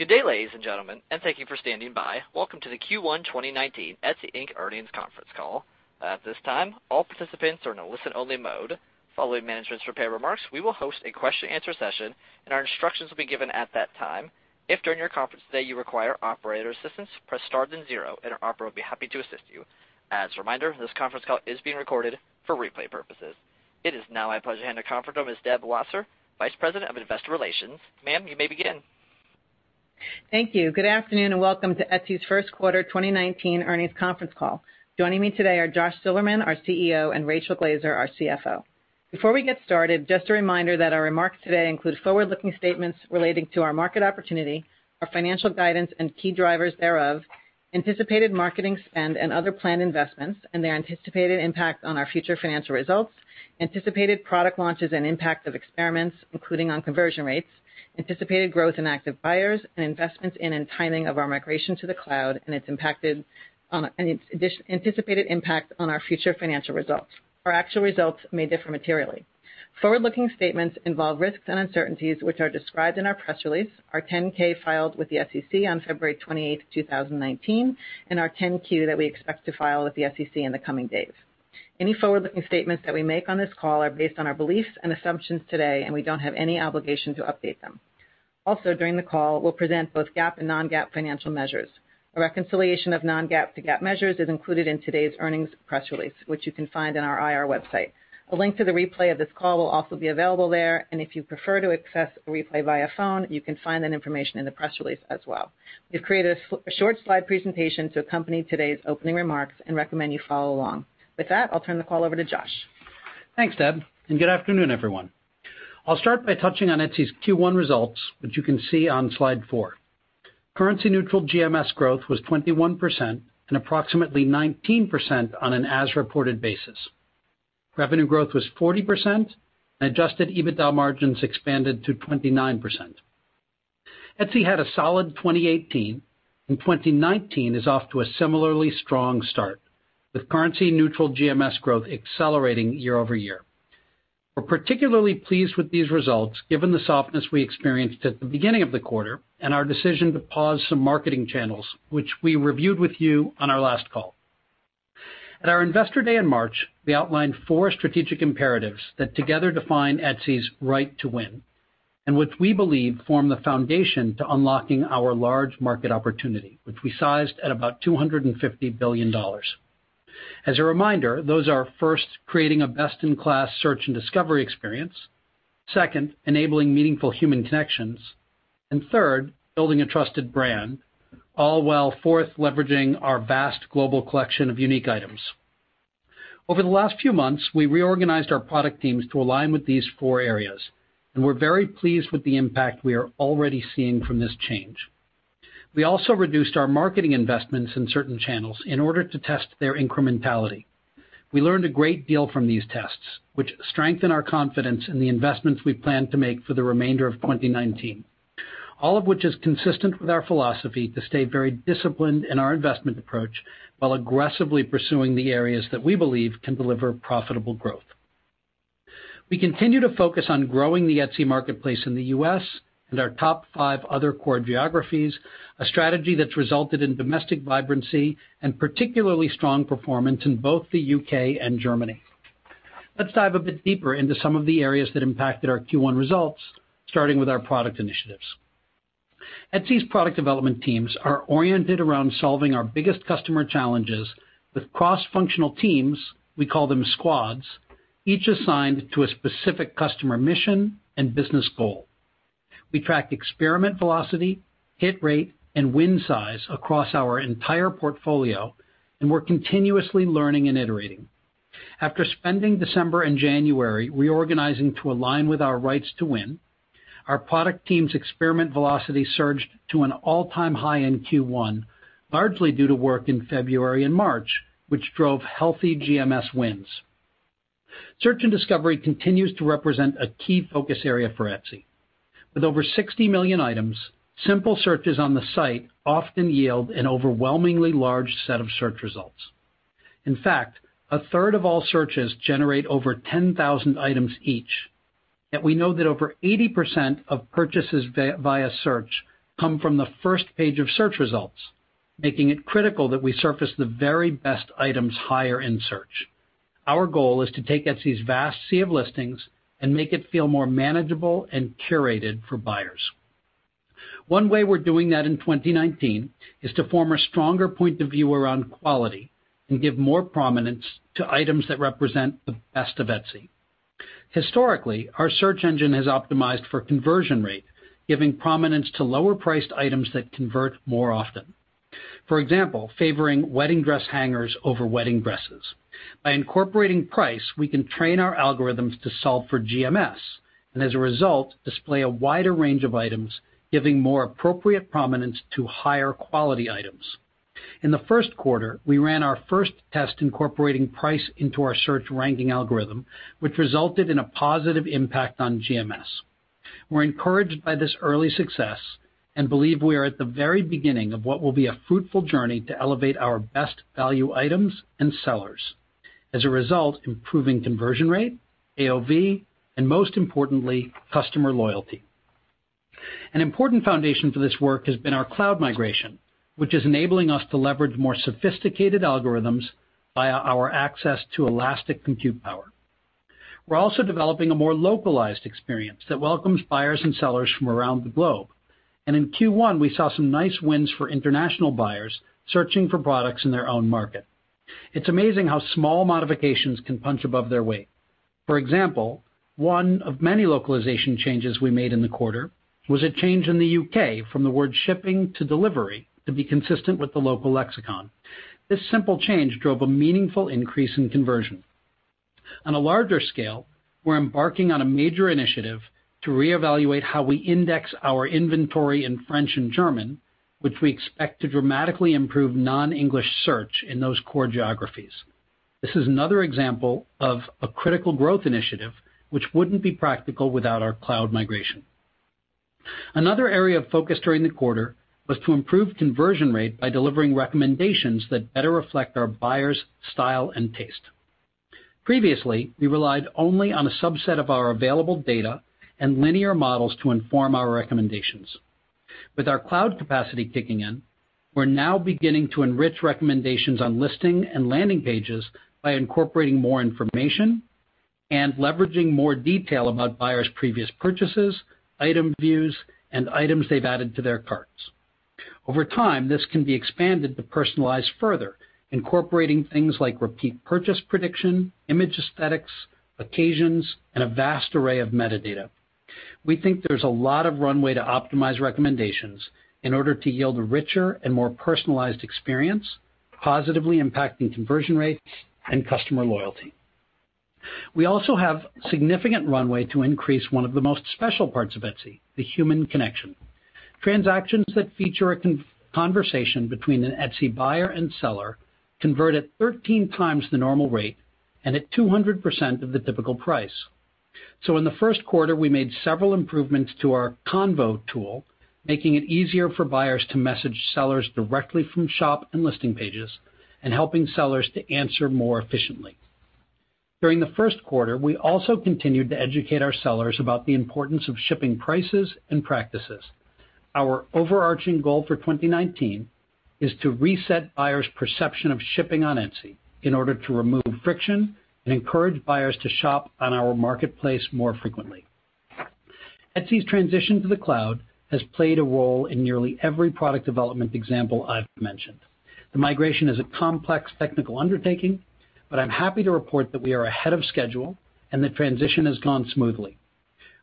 Good day, ladies and gentlemen, and thank you for standing by. Welcome to the Q1 2019 Etsy, Inc. earnings conference call. At this time, all participants are in a listen-only mode. Following management's prepared remarks, we will host a question and answer session, and our instructions will be given at that time. If, during your conference today, you require operator assistance, press star then zero, and an operator will be happy to assist you. As a reminder, this conference call is being recorded for replay purposes. It is now my pleasure to hand the conference over to Deb Wasser, Vice President of Investor Relations. Ma'am, you may begin. Thank you. Good afternoon, and welcome to Etsy's first quarter 2019 earnings conference call. Joining me today are Josh Silverman, our CEO, and Rachel Glaser, our CFO. Before we get started, just a reminder that our remarks today include forward-looking statements relating to our market opportunity, our financial guidance, and key drivers thereof, anticipated marketing spend and other planned investments, and their anticipated impact on our future financial results, anticipated product launches and impact of experiments, including on conversion rates, anticipated growth in active buyers and investments in and timing of our migration to the cloud and its anticipated impact on our future financial results. Our actual results may differ materially. Forward-looking statements involve risks and uncertainties, which are described in our press release, our 10-K filed with the SEC on February 28th, 2019, and our 10-Q that we expect to file with the SEC in the coming days. Any forward-looking statements that we make on this call are based on our beliefs and assumptions today, and we don't have any obligation to update them. Also, during the call, we'll present both GAAP and non-GAAP financial measures. A reconciliation of non-GAAP to GAAP measures is included in today's earnings press release, which you can find on our IR website. A link to the replay of this call will also be available there. If you prefer to access a replay via phone, you can find that information in the press release as well. We've created a short slide presentation to accompany today's opening remarks and recommend you follow along. With that, I'll turn the call over to Josh. Thanks, Deb, and good afternoon, everyone. I'll start by touching on Etsy's Q1 results, which you can see on slide four. Currency neutral GMS growth was 21% and approximately 19% on an as-reported basis. Revenue growth was 40%. Adjusted EBITDA margins expanded to 29%. Etsy had a solid 2018. 2019 is off to a similarly strong start, with currency neutral GMS growth accelerating year-over-year. We're particularly pleased with these results given the softness we experienced at the beginning of the quarter and our decision to pause some marketing channels, which we reviewed with you on our last call. At our Investor Day in March, we outlined four strategic imperatives that together define Etsy's right to win and which we believe form the foundation to unlocking our large market opportunity, which we sized at about $250 billion. As a reminder, those are, first, creating a best-in-class search and discovery experience, second, enabling meaningful human connections, and third, building a trusted brand, all while, fourth, leveraging our vast global collection of unique items. Over the last few months, we reorganized our product teams to align with these four areas, and we're very pleased with the impact we are already seeing from this change. We also reduced our marketing investments in certain channels in order to test their incrementality. We learned a great deal from these tests, which strengthen our confidence in the investments we plan to make for the remainder of 2019, all of which is consistent with our philosophy to stay very disciplined in our investment approach while aggressively pursuing the areas that we believe can deliver profitable growth. We continue to focus on growing the Etsy marketplace in the U.S. and our top five other core geographies, a strategy that's resulted in domestic vibrancy and particularly strong performance in both the U.K. and Germany. Let's dive a bit deeper into some of the areas that impacted our Q1 results, starting with our product initiatives. Etsy's product development teams are oriented around solving our biggest customer challenges with cross-functional teams, we call them squads, each assigned to a specific customer mission and business goal. We track experiment velocity, hit rate, and win size across our entire portfolio, and we're continuously learning and iterating. After spending December and January reorganizing to align with our rights to win, our product team's experiment velocity surged to an all-time high in Q1, largely due to work in February and March, which drove healthy GMS wins. Search and discovery continues to represent a key focus area for Etsy. With over 60 million items, simple searches on the site often yield an overwhelmingly large set of search results. In fact, a third of all searches generate over 10,000 items each. We know that over 80% of purchases via search come from the first page of search results, making it critical that we surface the very best items higher in search. Our goal is to take Etsy's vast sea of listings and make it feel more manageable and curated for buyers. One way we're doing that in 2019 is to form a stronger point of view around quality and give more prominence to items that represent the best of Etsy. Historically, our search engine has optimized for conversion rate, giving prominence to lower-priced items that convert more often. For example, favoring wedding dress hangers over wedding dresses. By incorporating price, we can train our algorithms to solve for GMS, and as a result, display a wider range of items, giving more appropriate prominence to higher quality items. In the first quarter, we ran our first test incorporating price into our search ranking algorithm, which resulted in a positive impact on GMS. We're encouraged by this early success and believe we are at the very beginning of what will be a fruitful journey to elevate our best value items and sellers, as a result, improving conversion rate, AOV, and most importantly, customer loyalty. An important foundation for this work has been our cloud migration, which is enabling us to leverage more sophisticated algorithms via our access to elastic compute power. We're also developing a more localized experience that welcomes buyers and sellers from around the globe. In Q1, we saw some nice wins for international buyers searching for products in their own market. It's amazing how small modifications can punch above their weight. For example, one of many localization changes we made in the quarter was a change in the U.K. from the word shipping to delivery to be consistent with the local lexicon. This simple change drove a meaningful increase in conversion. On a larger scale, we're embarking on a major initiative to reevaluate how we index our inventory in French and German, which we expect to dramatically improve non-English search in those core geographies. This is another example of a critical growth initiative which wouldn't be practical without our cloud migration. Another area of focus during the quarter was to improve conversion rate by delivering recommendations that better reflect our buyers' style and taste. Previously, we relied only on a subset of our available data and linear models to inform our recommendations. Our cloud capacity kicking in, we're now beginning to enrich recommendations on listing and landing pages by incorporating more information and leveraging more detail about buyers' previous purchases, item views, and items they've added to their carts. Over time, this can be expanded to personalize further, incorporating things like repeat purchase prediction, image aesthetics, occasions, and a vast array of metadata. We think there's a lot of runway to optimize recommendations in order to yield a richer and more personalized experience, positively impacting conversion rates and customer loyalty. We also have significant runway to increase one of the most special parts of Etsy, the human connection. Transactions that feature a conversation between an Etsy buyer and seller convert at 13 times the normal rate and at 200% of the typical price. In the first quarter, we made several improvements to our convo tool, making it easier for buyers to message sellers directly from shop and listing pages, and helping sellers to answer more efficiently. During the first quarter, we also continued to educate our sellers about the importance of shipping prices and practices. Our overarching goal for 2019 is to reset buyers' perception of shipping on Etsy in order to remove friction and encourage buyers to shop on our marketplace more frequently. Etsy's transition to the cloud has played a role in nearly every product development example I've mentioned. The migration is a complex technical undertaking, but I'm happy to report that we are ahead of schedule and the transition has gone smoothly.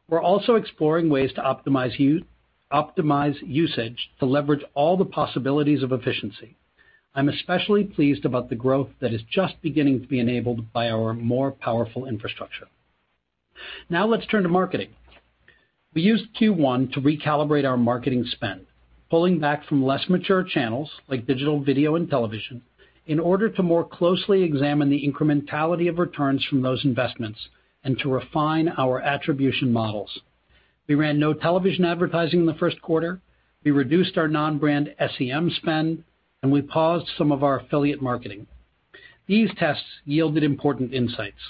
We're also exploring ways to optimize usage to leverage all the possibilities of efficiency. I'm especially pleased about the growth that is just beginning to be enabled by our more powerful infrastructure. Let's turn to marketing. We used Q1 to recalibrate our marketing spend, pulling back from less mature channels like digital video and television in order to more closely examine the incrementality of returns from those investments and to refine our attribution models. We ran no television advertising in the first quarter. We reduced our non-brand SEM spend, and we paused some of our affiliate marketing. These tests yielded important insights.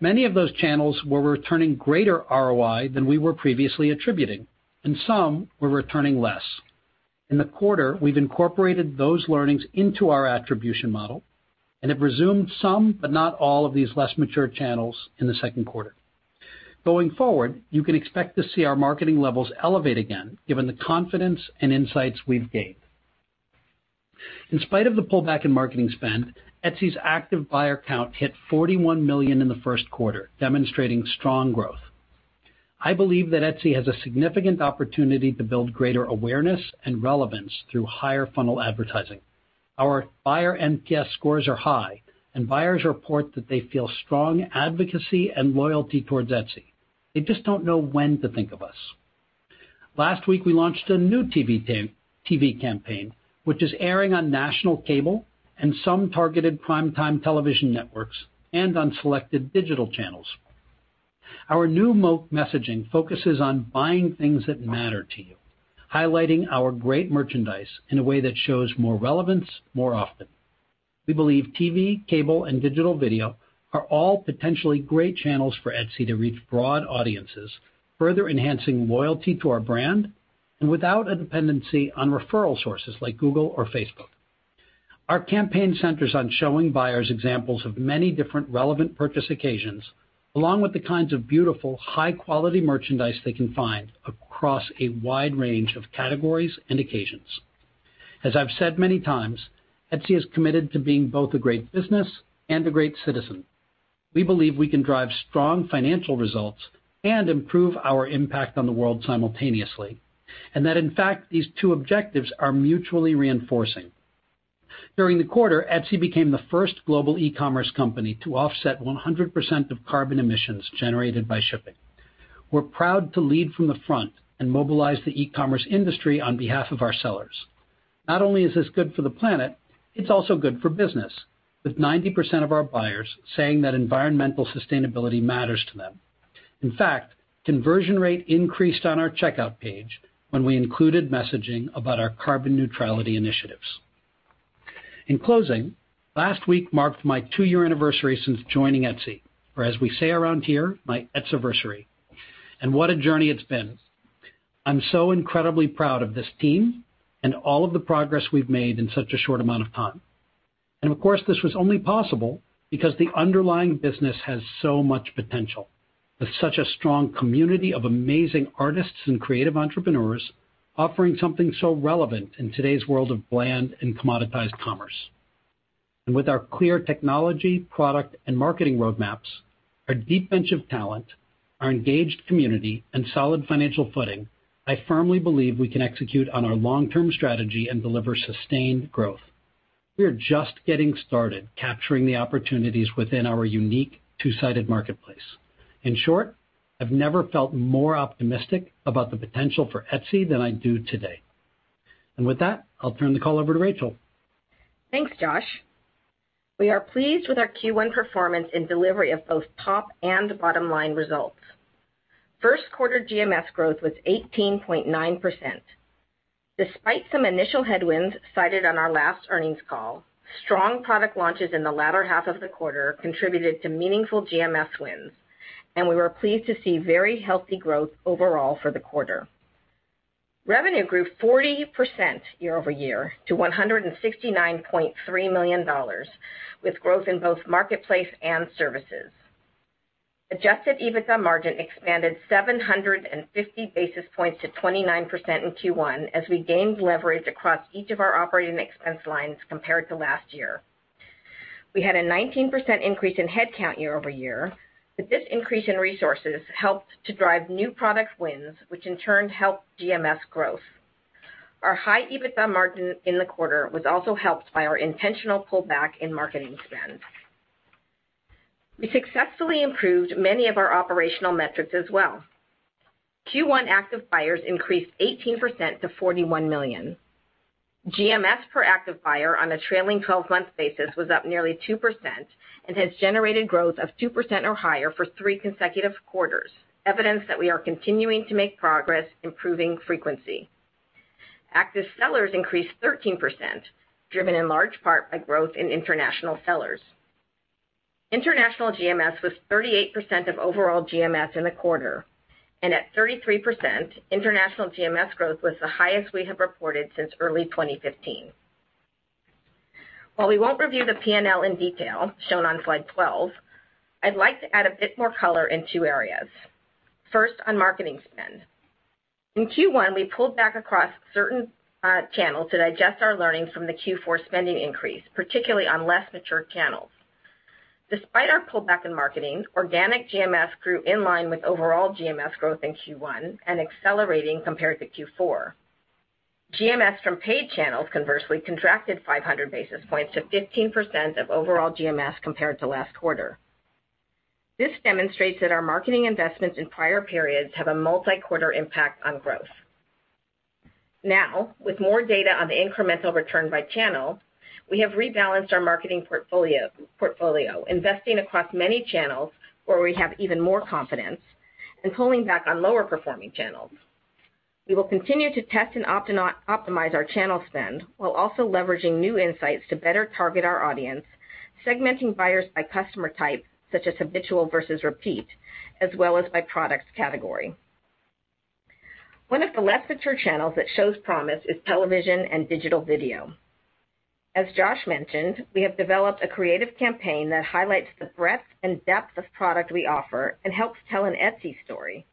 Many of those channels were returning greater ROI than we were previously attributing, and some were returning less. In the quarter, we've incorporated those learnings into our attribution model and have resumed some, but not all of these less mature channels in the second quarter. Going forward, you can expect to see our marketing levels elevate again, given the confidence and insights we've gained. In spite of the pullback in marketing spend, Etsy's active buyer count hit 41 million in the first quarter, demonstrating strong growth. I believe that Etsy has a significant opportunity to build greater awareness and relevance through higher funnel advertising. Our buyer NPS scores are high, and buyers report that they feel strong advocacy and loyalty towards Etsy. They just don't know when to think of us. Last week, we launched a new TV campaign, which is airing on national cable and some targeted prime-time television networks and on selected digital channels. Our new messaging focuses on buying things that matter to you, highlighting our great merchandise in a way that shows more relevance more often. We believe TV, cable, and digital video are all potentially great channels for Etsy to reach broad audiences, further enhancing loyalty to our brand and without a dependency on referral sources like Google or Facebook. Our campaign centers on showing buyers examples of many different relevant purchase occasions, along with the kinds of beautiful, high-quality merchandise they can find across a wide range of categories and occasions. As I've said many times, Etsy is committed to being both a great business and a great citizen. We believe we can drive strong financial results and improve our impact on the world simultaneously, and that in fact, these two objectives are mutually reinforcing. During the quarter, Etsy became the first global e-commerce company to offset 100% of carbon emissions generated by shipping. We're proud to lead from the front and mobilize the e-commerce industry on behalf of our sellers. Not only is this good for the planet, it's also good for business, with 90% of our buyers saying that environmental sustainability matters to them. In fact, conversion rate increased on our checkout page when we included messaging about our carbon neutrality initiatives. In closing, last week marked my two-year anniversary since joining Etsy, or as we say around here, my Etsyversary, and what a journey it's been. I'm so incredibly proud of this team and all of the progress we've made in such a short amount of time. Of course, this was only possible because the underlying business has so much potential. With such a strong community of amazing artists and creative entrepreneurs offering something so relevant in today's world of bland and commoditized commerce. With our clear technology, product, and marketing roadmaps, our deep bench of talent, our engaged community, and solid financial footing, I firmly believe we can execute on our long-term strategy and deliver sustained growth. We are just getting started capturing the opportunities within our unique two-sided marketplace. In short, I've never felt more optimistic about the potential for Etsy than I do today. With that, I'll turn the call over to Rachel. Thanks, Josh. We are pleased with our Q1 performance and delivery of both top and bottom line results. First quarter GMS growth was 18.9%. Despite some initial headwinds cited on our last earnings call, strong product launches in the latter half of the quarter contributed to meaningful GMS wins, and we were pleased to see very healthy growth overall for the quarter. Revenue grew 40% year-over-year to $169.3 million, with growth in both marketplace and services. Adjusted EBITDA margin expanded 750 basis points to 29% in Q1 as we gained leverage across each of our operating expense lines compared to last year. We had a 19% increase in headcount year-over-year, but this increase in resources helped to drive new product wins, which in turn helped GMS growth. Our high EBITDA margin in the quarter was also helped by our intentional pullback in marketing spend. We successfully improved many of our operational metrics as well. Q1 active buyers increased 18% to 41 million. GMS per active buyer on a trailing 12-month basis was up nearly 2% and has generated growth of 2% or higher for three consecutive quarters, evidence that we are continuing to make progress improving frequency. Active sellers increased 13%, driven in large part by growth in international sellers. International GMS was 38% of overall GMS in the quarter. At 33%, international GMS growth was the highest we have reported since early 2015. While we won't review the P&L in detail shown on slide 12, I'd like to add a bit more color in two areas. First, on marketing spend. In Q1, we pulled back across certain channels to digest our learnings from the Q4 spending increase, particularly on less mature channels. Despite our pullback in marketing, organic GMS grew in line with overall GMS growth in Q1 and accelerating compared to Q4. GMS from paid channels, conversely, contracted 500 basis points to 15% of overall GMS compared to last quarter. This demonstrates that our marketing investments in prior periods have a multi-quarter impact on growth. With more data on the incremental return by channel, we have rebalanced our marketing portfolio, investing across many channels where we have even more confidence and pulling back on lower performing channels. We will continue to test and optimize our channel spend while also leveraging new insights to better target our audience, segmenting buyers by customer type, such as habitual versus repeat, as well as by products category. One of the less mature channels that shows promise is television and digital video. As Josh mentioned, we have developed a creative campaign that highlights the breadth and depth of product we offer and helps tell an Etsy story,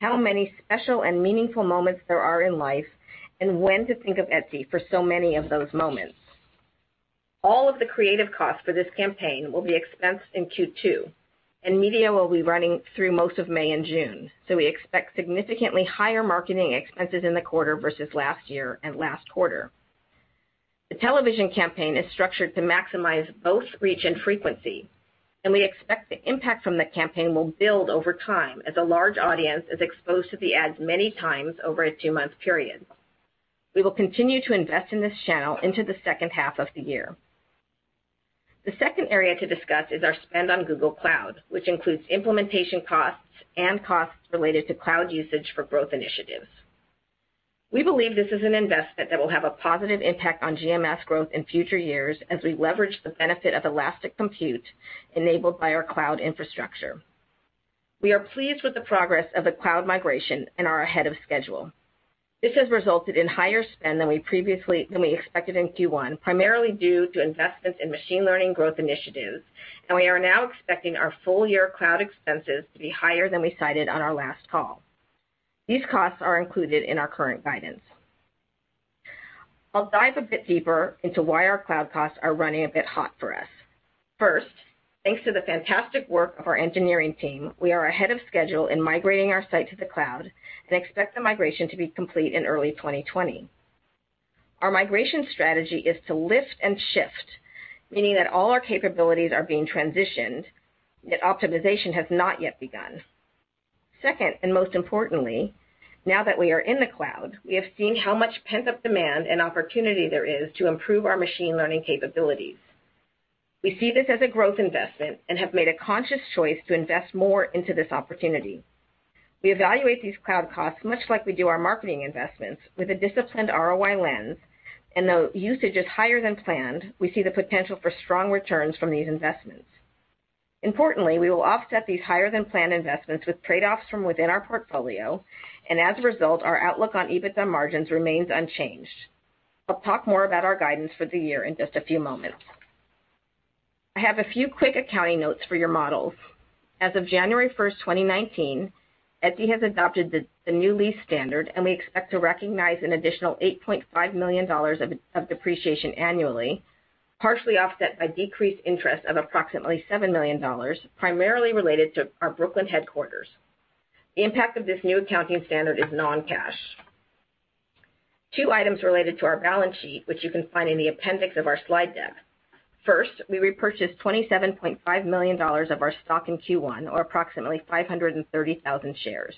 how many special and meaningful moments there are in life, and when to think of Etsy for so many of those moments. All of the creative costs for this campaign will be expensed in Q2, and media will be running through most of May and June. We expect significantly higher marketing expenses in the quarter versus last year and last quarter. The television campaign is structured to maximize both reach and frequency, and we expect the impact from the campaign will build over time as a large audience is exposed to the ads many times over a two-month period. We will continue to invest in this channel into the second half of the year. The second area to discuss is our spend on Google Cloud, which includes implementation costs and costs related to cloud usage for growth initiatives. We believe this is an investment that will have a positive impact on GMS growth in future years as we leverage the benefit of elastic compute enabled by our cloud infrastructure. We are pleased with the progress of the cloud migration and are ahead of schedule. This has resulted in higher spend than we expected in Q1, primarily due to investments in machine learning growth initiatives, and we are now expecting our full year cloud expenses to be higher than we cited on our last call. These costs are included in our current guidance. I'll dive a bit deeper into why our cloud costs are running a bit hot for us. Thanks to the fantastic work of our engineering team, we are ahead of schedule in migrating our site to the cloud and expect the migration to be complete in early 2020. Our migration strategy is to lift and shift, meaning that all our capabilities are being transitioned, and that optimization has not yet begun. Second, most importantly, now that we are in the cloud, we have seen how much pent-up demand and opportunity there is to improve our machine learning capabilities. We see this as a growth investment and have made a conscious choice to invest more into this opportunity. We evaluate these cloud costs much like we do our marketing investments with a disciplined ROI lens, and though usage is higher than planned, we see the potential for strong returns from these investments. Importantly, we will offset these higher than planned investments with trade-offs from within our portfolio, as a result, our outlook on EBITDA margins remains unchanged. I'll talk more about our guidance for the year in just a few moments. I have a few quick accounting notes for your models. As of January 1st, 2019, Etsy has adopted the new lease standard, and we expect to recognize an additional $8.5 million of depreciation annually, partially offset by decreased interest of approximately $7 million, primarily related to our Brooklyn headquarters. The impact of this new accounting standard is non-cash. Two items related to our balance sheet, which you can find in the appendix of our slide deck. We repurchased $27.5 million of our stock in Q1, or approximately 530,000 shares.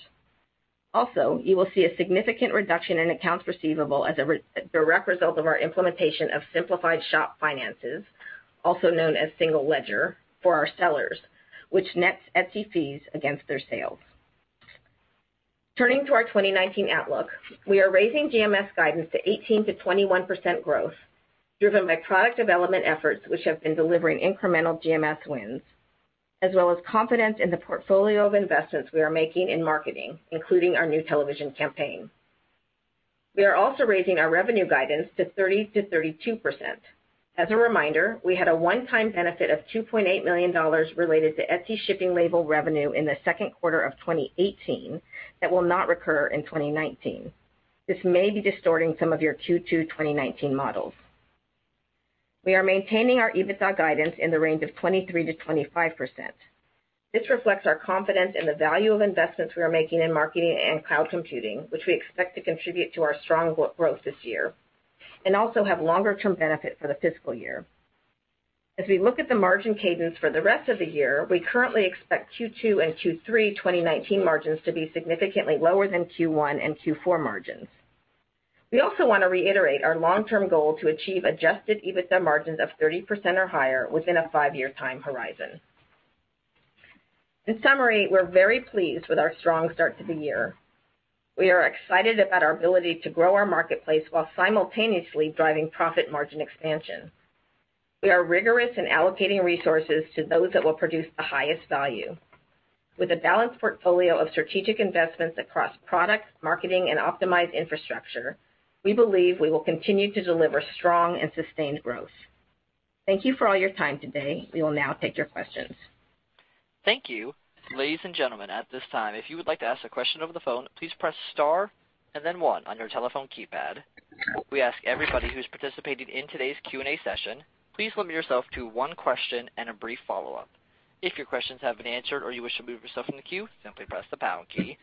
You will see a significant reduction in accounts receivable as a direct result of our implementation of simplified shop finances, also known as single ledger, for our sellers, which nets Etsy fees against their sales. Turning to our 2019 outlook, we are raising GMS guidance to 18%-21% growth, driven by product development efforts, which have been delivering incremental GMS wins, as well as confidence in the portfolio of investments we are making in marketing, including our new television campaign. We are also raising our revenue guidance to 30%-32%. As a reminder, we had a one-time benefit of $2.8 million related to Etsy Shipping Labels revenue in the second quarter of 2018 that will not recur in 2019. This may be distorting some of your Q2 2019 models. We are maintaining our EBITDA guidance in the range of 23%-25%. This reflects our confidence in the value of investments we are making in marketing and cloud computing, which we expect to contribute to our strong growth this year, and also have longer-term benefit for the fiscal year. As we look at the margin cadence for the rest of the year, we currently expect Q2 and Q3 2019 margins to be significantly lower than Q1 and Q4 margins. We also want to reiterate our long-term goal to achieve adjusted EBITDA margins of 30% or higher within a five-year time horizon. In summary, we're very pleased with our strong start to the year. We are excited about our ability to grow our marketplace while simultaneously driving profit margin expansion. We are rigorous in allocating resources to those that will produce the highest value. With a balanced portfolio of strategic investments across products, marketing, and optimized infrastructure, we believe we will continue to deliver strong and sustained growth. Thank you for all your time today. We will now take your questions. Thank you. Ladies and gentlemen, at this time, if you would like to ask a question over the phone, please press star and then one on your telephone keypad. We ask everybody who's participating in today's Q&A session, please limit yourself to one question and a brief follow-up. If your questions have been answered or you wish to remove yourself from the queue, simply press the pound key.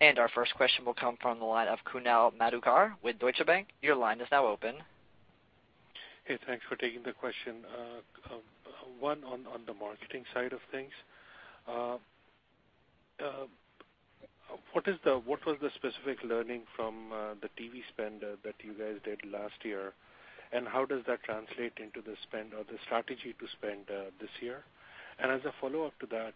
Our first question will come from the line of Kunal Madhukar with Deutsche Bank. Your line is now open. Hey, thanks for taking the question. One, on the marketing side of things, what was the specific learning from the TV spend that you guys did last year, and how does that translate into the spend or the strategy to spend this year? As a follow-up to that,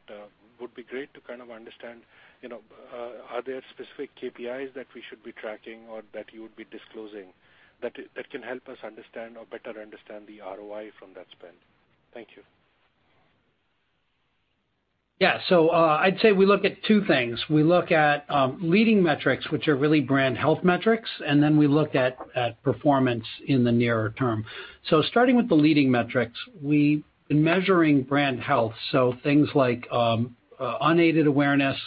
would be great to kind of understand, are there specific KPIs that we should be tracking or that you would be disclosing that can help us understand or better understand the ROI from that spend? Thank you. I'd say we look at two things. We look at leading metrics, which are really brand health metrics, and then we look at performance in the nearer term. Starting with the leading metrics, we've been measuring brand health, things like unaided awareness,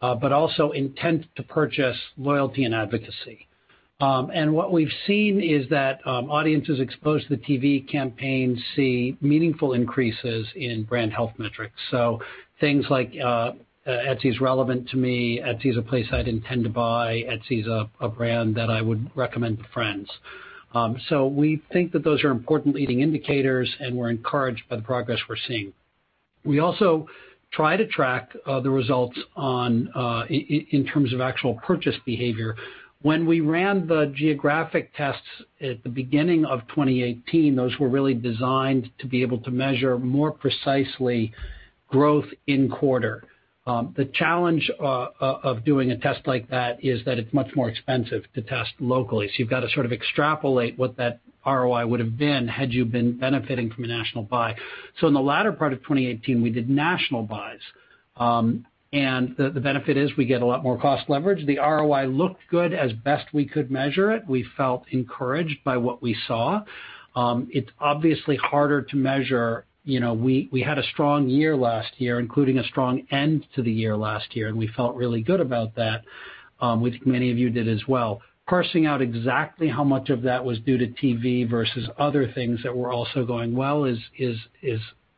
but also intent to purchase, loyalty, and advocacy. What we've seen is that audiences exposed to the TV campaign see meaningful increases in brand health metrics. Things like, Etsy is relevant to me, Etsy is a place I'd intend to buy, Etsy is a brand that I would recommend to friends. We think that those are important leading indicators, and we're encouraged by the progress we're seeing. We also try to track the results in terms of actual purchase behavior. When we ran the geographic tests at the beginning of 2018, those were really designed to be able to measure more precisely growth in quarter. The challenge of doing a test like that is that it's much more expensive to test locally. You've got to sort of extrapolate what that ROI would've been had you been benefiting from a national buy. In the latter part of 2018, we did national buys. The benefit is we get a lot more cost leverage. The ROI looked good as best we could measure it. We felt encouraged by what we saw. It's obviously harder to measure. We had a strong year last year, including a strong end to the year last year, and we felt really good about that, which many of you did as well. Parsing out exactly how much of that was due to TV versus other things that were also going well is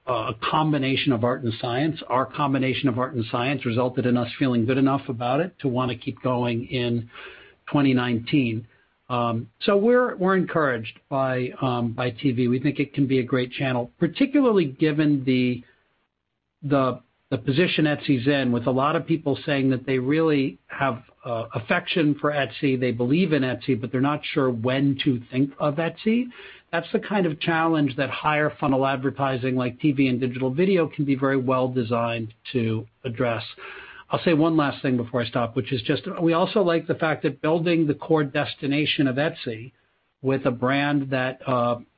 a combination of art and science. Our combination of art and science resulted in us feeling good enough about it to want to keep going in 2019. We're encouraged by TV. We think it can be a great channel, particularly given the position Etsy's in, with a lot of people saying that they really have affection for Etsy, they believe in Etsy, but they're not sure when to think of Etsy. That's the kind of challenge that higher funnel advertising, like TV and digital video, can be very well designed to address. I'll say one last thing before I stop, which is just, we also like the fact that building the core destination of Etsy with a brand that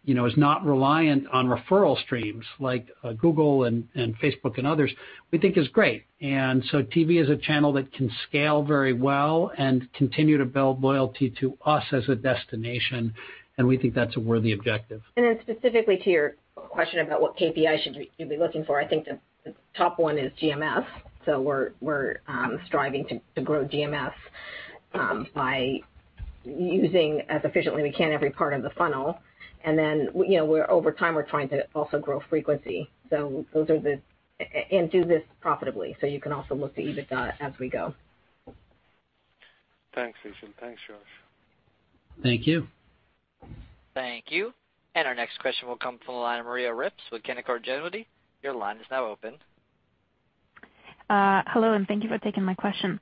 is not reliant on referral streams like Google and Facebook and others, we think is great. TV is a channel that can scale very well and continue to build loyalty to us as a destination, and we think that's a worthy objective. Specifically to your question about what KPI should you be looking for, I think the top one is GMS. We're striving to grow GMS by using, as efficiently we can, every part of the funnel. Over time, we're trying to also grow frequency. Do this profitably, so you can also look to EBITDA as we go. Thanks, Rachel, thanks, Josh. Thank you. Thank you. Our next question will come from the line of Maria Ripps with Canaccord Genuity. Your line is now open. Hello, and thank you for taking my question.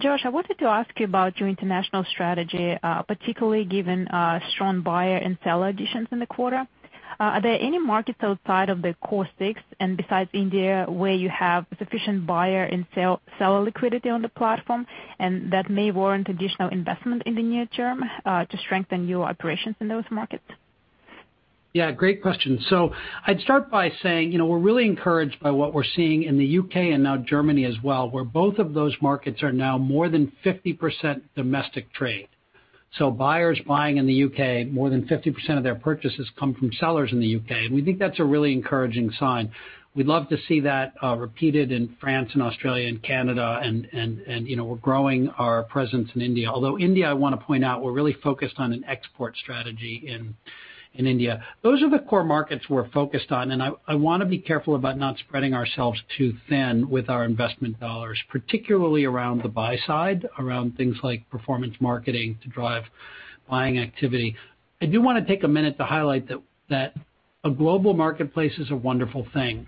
Josh, I wanted to ask you about your international strategy, particularly given strong buyer and seller additions in the quarter. Are there any markets outside of the core six and besides India where you have sufficient buyer and seller liquidity on the platform and that may warrant additional investment in the near term to strengthen your operations in those markets? Yeah, great question. I'd start by saying, we're really encouraged by what we're seeing in the U.K. and now Germany as well, where both of those markets are now more than 50% domestic trade. Buyers buying in the U.K., more than 50% of their purchases come from sellers in the U.K. We think that's a really encouraging sign. We'd love to see that repeated in France and Australia and Canada, and we're growing our presence in India. Although India, I want to point out, we're really focused on an export strategy in India. Those are the core markets we're focused on, and I want to be careful about not spreading ourselves too thin with our investment dollars, particularly around the buy side, around things like performance marketing to drive buying activity. I do want to take a minute to highlight that a global marketplace is a wonderful thing,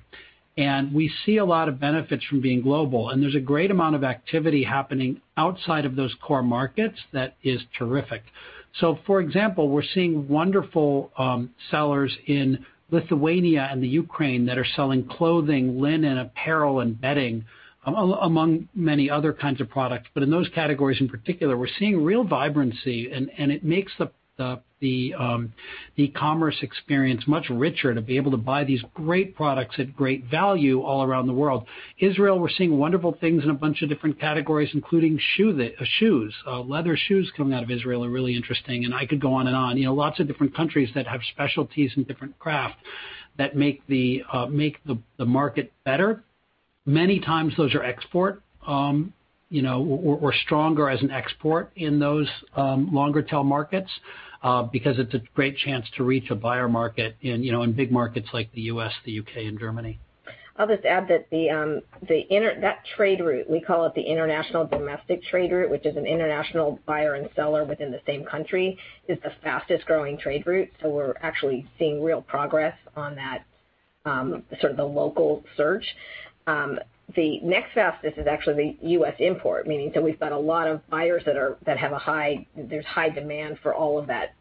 and we see a lot of benefits from being global. There's a great amount of activity happening outside of those core markets that is terrific. For example, we're seeing wonderful sellers in Lithuania and the Ukraine that are selling clothing, linen apparel, and bedding, among many other kinds of products. In those categories in particular, we're seeing real vibrancy, and it makes the commerce experience much richer to be able to buy these great products at great value all around the world. Israel, we're seeing wonderful things in a bunch of different categories, including shoes. Leather shoes coming out of Israel are really interesting, and I could go on and on. Lots of different countries that have specialties and different craft that make the market better. Many times, those are export, or stronger as an export in those longer tail markets, because it's a great chance to reach a buyer market in big markets like the U.S., the U.K., and Germany. I'll just add that that trade route, we call it the international domestic trade route, which is an international buyer and seller within the same country, is the fastest-growing trade route. We're actually seeing real progress on that, sort of the local search. The next fastest is actually the U.S. import, meaning that we've got a lot of buyers that there's high demand for all of that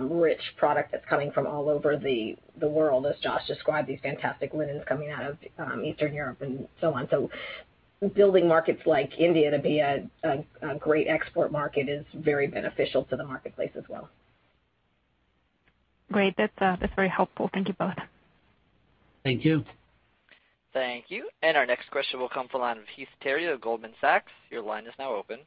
rich product that's coming from all over the world, as Josh described, these fantastic linens coming out of Eastern Europe and so on. Building markets like India to be a great export market is very beneficial to the marketplace as well. Great. That's very helpful. Thank you both. Thank you. Thank you. Our next question will come from the line of Heath Terry of Goldman Sachs. Your line is now open.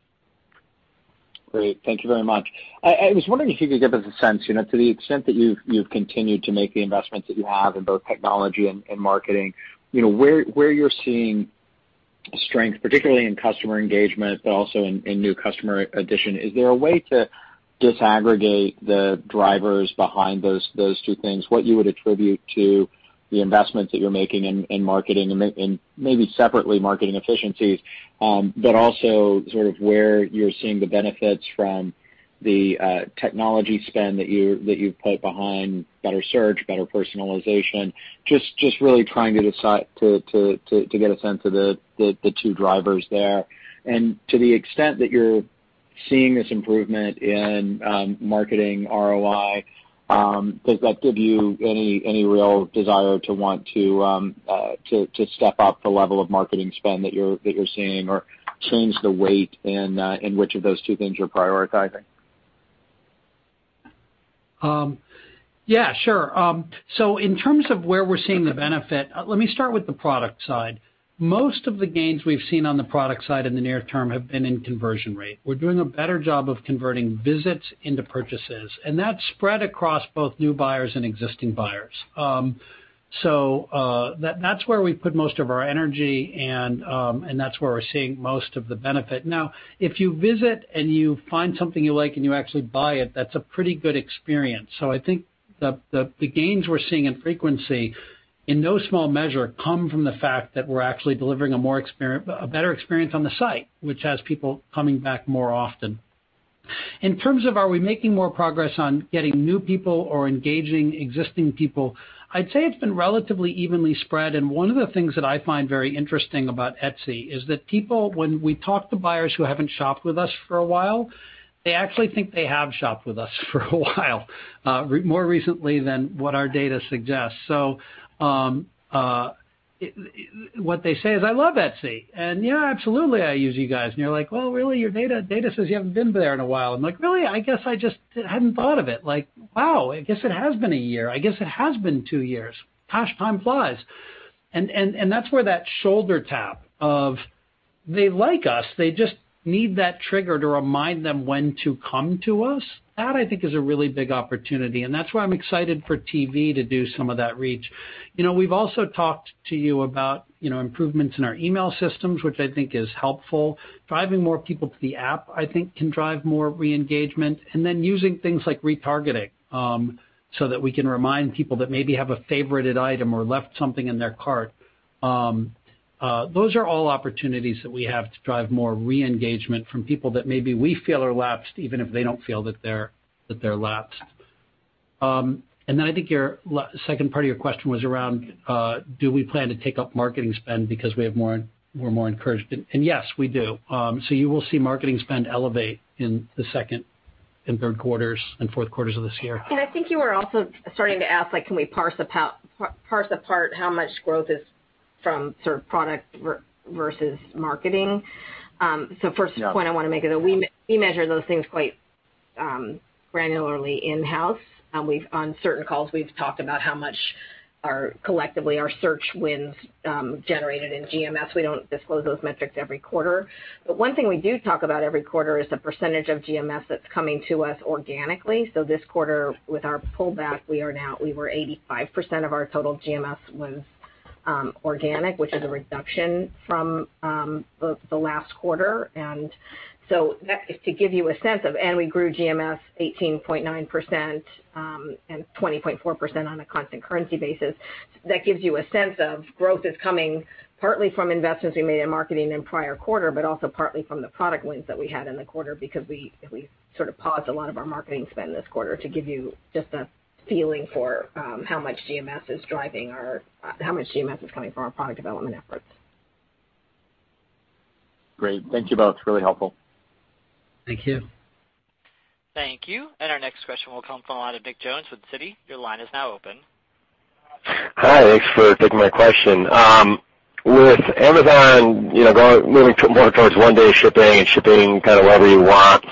Great. Thank you very much. I was wondering if you could give us a sense, to the extent that you've continued to make the investments that you have in both technology and marketing, where you're seeing strength, particularly in customer engagement, but also in new customer addition. Is there a way to disaggregate the drivers behind those two things? What you would attribute to the investments that you're making in marketing, and maybe separately, marketing efficiencies, but also sort of where you're seeing the benefits from the technology spend that you've put behind better search, better personalization. Just really trying to get a sense of the two drivers there. To the extent that you're seeing this improvement in marketing ROI, does that give you any real desire to want to step up the level of marketing spend that you're seeing or change the weight in which of those two things you're prioritizing? Yeah, sure. In terms of where we're seeing the benefit, let me start with the product side. Most of the gains we've seen on the product side in the near term have been in conversion rate. We're doing a better job of converting visits into purchases, and that's spread across both new buyers and existing buyers. That's where we put most of our energy, and that's where we're seeing most of the benefit. Now, if you visit and you find something you like and you actually buy it, that's a pretty good experience. I think the gains we're seeing in frequency, in no small measure, come from the fact that we're actually delivering a better experience on the site, which has people coming back more often. In terms of are we making more progress on getting new people or engaging existing people, I'd say it's been relatively evenly spread. One of the things that I find very interesting about Etsy is that people, when we talk to buyers who haven't shopped with us for a while, they actually think they have shopped with us for a while, more recently than what our data suggests. What they say is, "I love Etsy, and yeah, absolutely, I use you guys." You're like, "Well, really? Your data says you haven't been there in a while." And like, "Really? I guess I just hadn't thought of it. Like, wow, I guess it has been a year. I guess it has been two years. Gosh, time flies. That's where that shoulder tap of, they like us, they just need that trigger to remind them when to come to us. That I think is a really big opportunity, and that's why I'm excited for TV to do some of that reach. We've also talked to you about improvements in our email systems, which I think is helpful. Driving more people to the app, I think can drive more re-engagement. Using things like retargeting, so that we can remind people that maybe have a favorited item or left something in their cart. Those are all opportunities that we have to drive more re-engagement from people that maybe we feel are lapsed, even if they don't feel that they're lapsed. I think the second part of your question was around, do we plan to take up marketing spend because we're more encouraged? Yes, we do. You will see marketing spend elevate in the second, third quarters, and fourth quarters of this year. I think you were also starting to ask, can we parse apart how much growth is from sort of product versus marketing? First point I want to make is that we measure those things quite granularly in-house. On certain calls, we've talked about how much, collectively, our search wins generated in GMS. We don't disclose those metrics every quarter. One thing we do talk about every quarter is the % of GMS that's coming to us organically. This quarter, with our pullback, we were 85% of our total GMS was organic, which is a reduction from the last quarter. We grew GMS 18.9% and 20.4% on a constant currency basis. That gives you a sense of growth is coming partly from investments we made in marketing in prior quarter, but also partly from the product wins that we had in the quarter because we sort of paused a lot of our marketing spend this quarter to give you just a feeling for how much GMS is coming from our product development efforts. Great. Thank you both. Really helpful. Thank you. Thank you. Our next question will come from the line of Nick Jones with Citi. Your line is now open. Hi, thanks for taking my question. With Amazon moving more towards one-day shipping and shipping kind of whatever you want,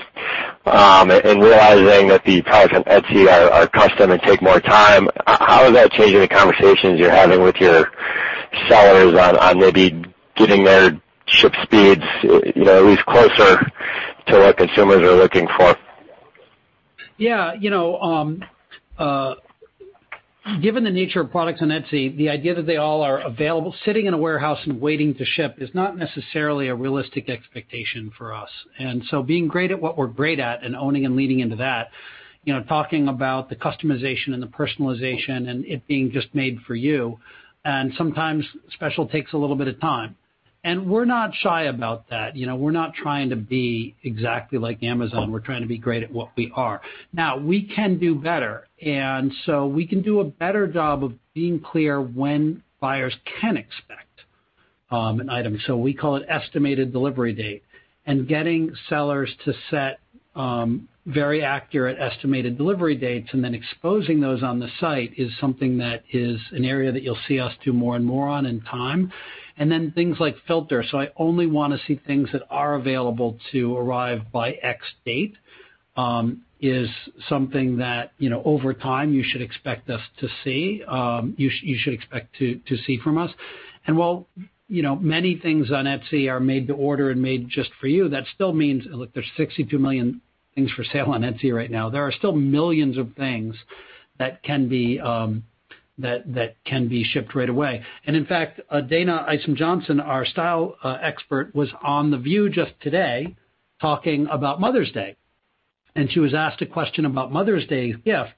and realizing that the products on Etsy are custom and take more time, how is that changing the conversations you're having with your sellers on maybe getting their ship speeds at least closer to what consumers are looking for? Yeah. Given the nature of products on Etsy, the idea that they all are available, sitting in a warehouse and waiting to ship is not necessarily a realistic expectation for us. Being great at what we're great at and owning and leaning into that, talking about the customization and the personalization and it being just made for you, and sometimes special takes a little bit of time. We're not shy about that. We're not trying to be exactly like Amazon. We're trying to be great at what we are. Now, we can do better. We can do a better job of being clear when buyers can expect an item. We call it estimated delivery date. Getting sellers to set very accurate estimated delivery dates and then exposing those on the site is something that is an area that you'll see us do more and more on in time. Things like filter. I only want to see things that are available to arrive by X date, is something that, over time, you should expect to see from us. While many things on Etsy are made to order and made just for you, that still means, look, there's 62 million things for sale on Etsy right now. There are still millions of things that can be shipped right away. In fact, Dayna Isom Johnson, our style expert, was on The View just today talking about Mother's Day. She was asked a question about Mother's Day gifts,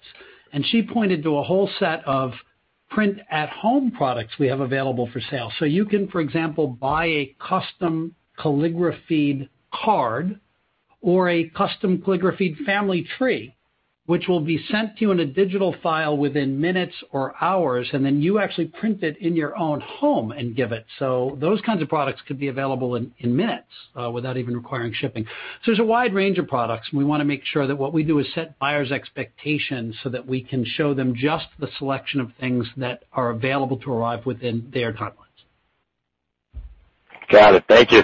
and she pointed to a whole set of print-at-home products we have available for sale. You can, for example, buy a custom calligraphied card or a custom calligraphied family tree, which will be sent to you in a digital file within minutes or hours, and then you actually print it in your own home and give it. Those kinds of products could be available in minutes without even requiring shipping. There's a wide range of products, and we want to make sure that what we do is set buyers' expectations so that we can show them just the selection of things that are available to arrive within their timelines. Got it. Thank you.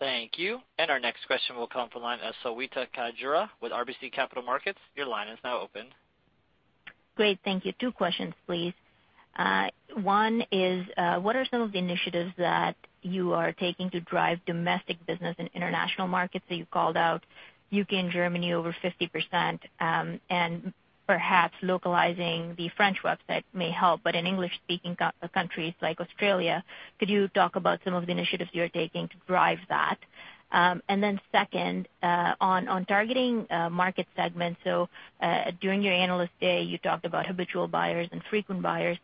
Thank you. Our next question will come from the line of Shweta Khajuria with RBC Capital Markets. Your line is now open. Great. Thank you. Two questions, please. One is, what are some of the initiatives that you are taking to drive domestic business in international markets that you called out, U.K. and Germany over 50%, and perhaps localizing the French website may help. In English-speaking countries like Australia, could you talk about some of the initiatives you're taking to drive that? Second, on targeting market segments, so during your Analyst Day, you talked about habitual buyers and frequent buyers.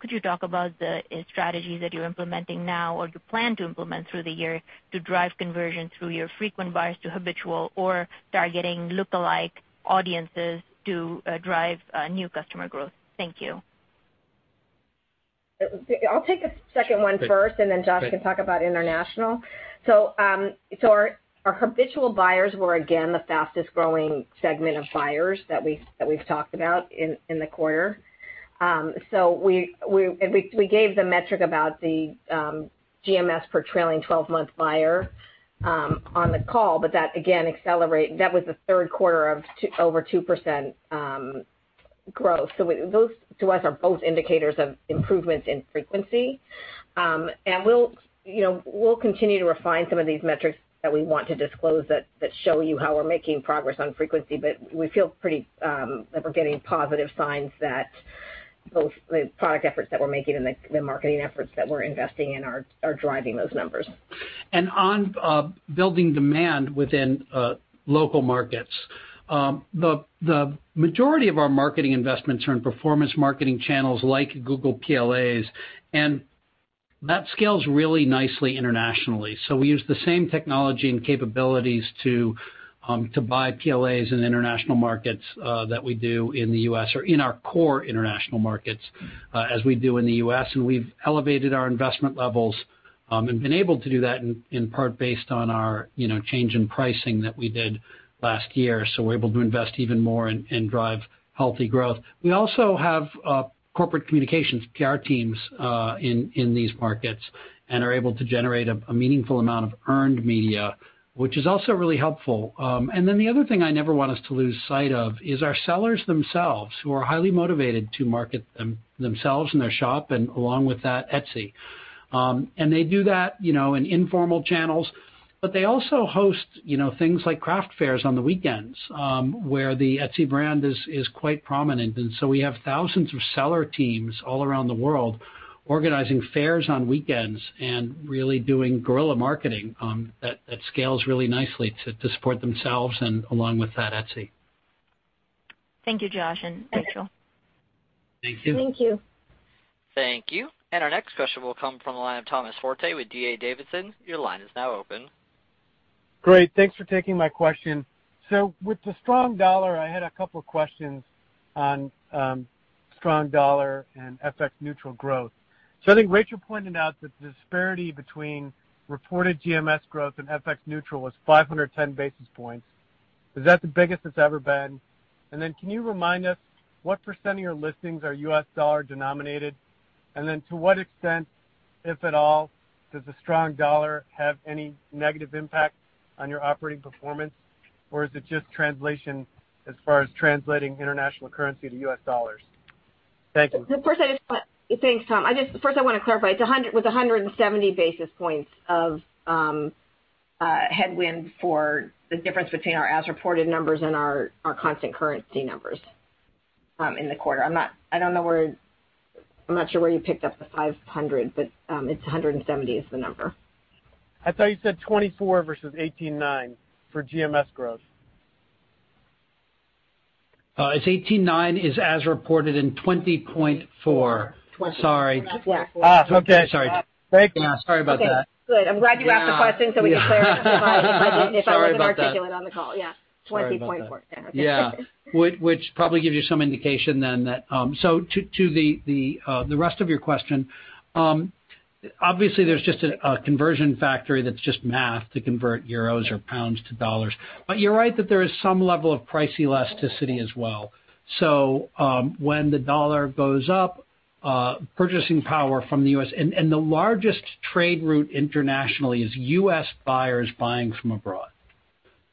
Could you talk about the strategies that you're implementing now or you plan to implement through the year to drive conversion through your frequent buyers to habitual or targeting lookalike audiences to drive new customer growth? Thank you. I'll take the second one first, then Josh can talk about international. Our habitual buyers were, again, the fastest-growing segment of buyers that we've talked about in the quarter. We gave the metric about the GMS per trailing 12-month buyer on the call, but that, again, that was the third quarter of over 2% growth. Those, to us, are both indicators of improvements in frequency. We'll continue to refine some of these metrics that we want to disclose that show you how we're making progress on frequency. We feel pretty, that we're getting positive signs that both the product efforts that we're making and the marketing efforts that we're investing in are driving those numbers. On building demand within local markets. The majority of our marketing investments are in performance marketing channels like Google PLAs, and that scales really nicely internationally. We use the same technology and capabilities to buy PLAs in international markets that we do in the U.S. or in our core international markets, as we do in the U.S. We've elevated our investment levels, and been able to do that in part based on our change in pricing that we did last year. We're able to invest even more and drive healthy growth. We also have corporate communications, PR teams, in these markets and are able to generate a meaningful amount of earned media, which is also really helpful. The other thing I never want us to lose sight of is our sellers themselves, who are highly motivated to market themselves and their shop, and along with that, Etsy. They do that in informal channels, but they also host things like craft fairs on the weekends, where the Etsy brand is quite prominent in. We have thousands of seller teams all around the world organizing fairs on weekends and really doing guerrilla marketing that scales really nicely to support themselves and along with that, Etsy. Thank you, Josh and Rachel. Thank you. Thank you. Thank you. Our next question will come from the line of Thomas Forte with D.A. Davidson. Your line is now open. Great. Thanks for taking my question. With the strong dollar, I had a couple questions on strong dollar and FX neutral growth. I think Rachel pointed out that the disparity between reported GMS growth and FX neutral was 510 basis points. Is that the biggest it's ever been? Then can you remind us what percentage of your listings are U.S. dollar denominated? Then to what extent, if at all, does a strong dollar have any negative impact on your operating performance, or is it just translation as far as translating international currency to U.S. dollars? Thank you. Thanks, Tom. First I want to clarify, it's 170 basis points of headwind for the difference between our as-reported numbers and our constant currency numbers in the quarter. I'm not sure where you picked up the 500, but it's 170 is the number. I thought you said 24 versus 18.9 for GMS growth. It's 18.9 is as reported and 20.4. Sorry. Okay. Sorry. Great. Yeah, sorry about that. Okay, good. I'm glad you asked the question so we could clarify if I wasn't articulate on the call. Yeah. 20.4. Sorry about that. Probably gives you some indication then that. To the rest of your question, obviously there is just a conversion factor that is just math to convert euros or pounds to U.S. dollars. You are right that there is some level of price elasticity as well. When the dollar goes up, purchasing power from the U.S., and the largest trade route internationally is U.S. buyers buying from abroad.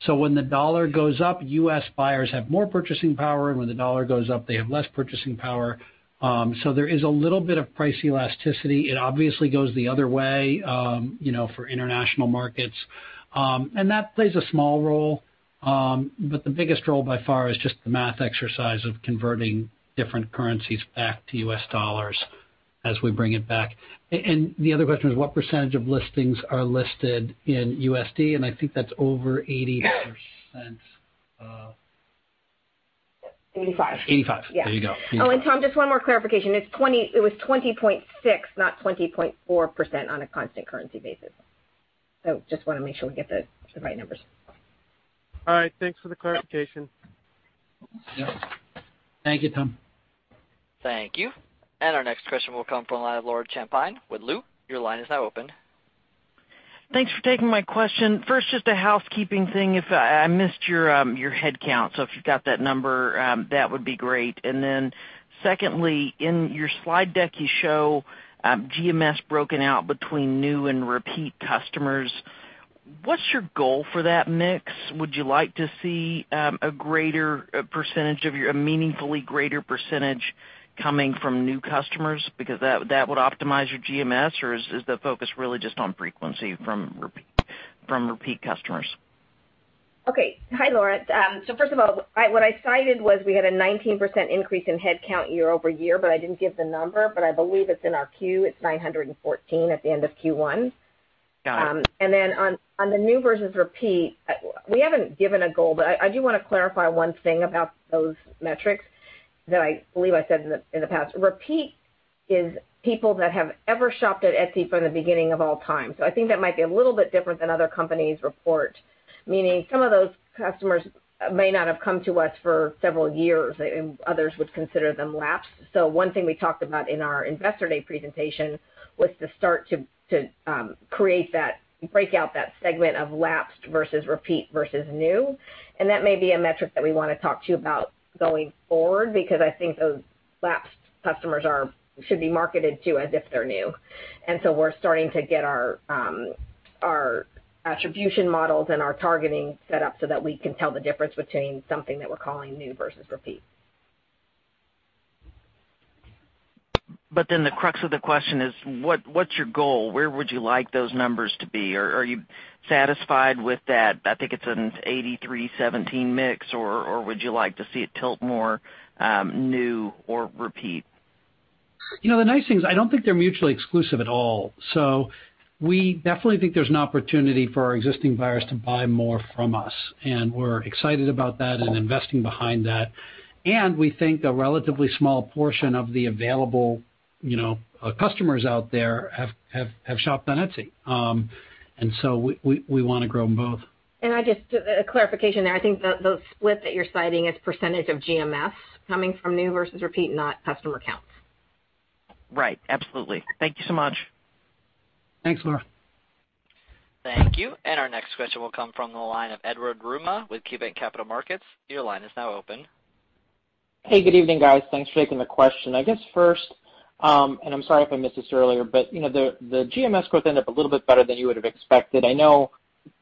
When the dollar goes up, U.S. buyers have more purchasing power, and when the dollar goes up, they have less purchasing power. There is a little bit of price elasticity. It obviously goes the other way, for international markets. That plays a small role. The biggest role by far is just the math exercise of converting different currencies back to U.S. dollars as we bring it back. The other question was what percentage of listings are listed in USD, and I think that is over 80%. 85. 85. There you go. Tom, just one more clarification. It was 20.6%, not 20.4% on a constant currency basis. Just want to make sure we get the right numbers. All right. Thanks for the clarification. Yep. Thank you, Tom. Thank you. Our next question will come from the line of Laura Champine with Loop. Your line is now open. Thanks for taking my question. First, just a housekeeping thing, I missed your headcount, so if you've got that number, that would be great. Secondly, in your slide deck, you show GMS broken out between new and repeat customers. What's your goal for that mix? Would you like to see a meaningfully greater percentage coming from new customers because that would optimize your GMS, or is the focus really just on frequency from repeat customers? First of all, what I cited was we had a 19% increase in headcount year-over-year, I didn't give the number, but I believe it's in our 10-Q. It's 914 at the end of Q1. Got it. On the new versus repeat, we haven't given a goal. I do want to clarify one thing about those metrics that I believe I said in the past. Repeat is people that have ever shopped at Etsy from the beginning of all time. I think that might be a little bit different than other companies report. Meaning some of those customers may not have come to us for several years, and others would consider them lapsed. One thing we talked about in our investor day presentation was to start to break out that segment of lapsed versus repeat versus new. That may be a metric that we want to talk to you about going forward, because I think those lapsed customers should be marketed to as if they're new. We're starting to get our attribution models and our targeting set up so that we can tell the difference between something that we're calling new versus repeat. The crux of the question is, what's your goal? Where would you like those numbers to be? Are you satisfied with that, I think it's an 83/17 mix, or would you like to see it tilt more new or repeat? The nice thing is I don't think they're mutually exclusive at all. We definitely think there's an opportunity for our existing buyers to buy more from us, and we're excited about that and investing behind that. We think a relatively small portion of the available customers out there have shopped on Etsy. We want to grow them both. Just a clarification there, I think the split that you're citing is % of GMS coming from new versus repeat, not customer counts. Right. Absolutely. Thank you so much. Thanks, Laura. Thank you. Our next question will come from the line of Edward Yruma with KeyBanc Capital Markets. Your line is now open. Hey, good evening, guys. Thanks for taking the question. I guess first, and I'm sorry if I missed this earlier, but the GMS growth ended up a little bit better than you would've expected. I know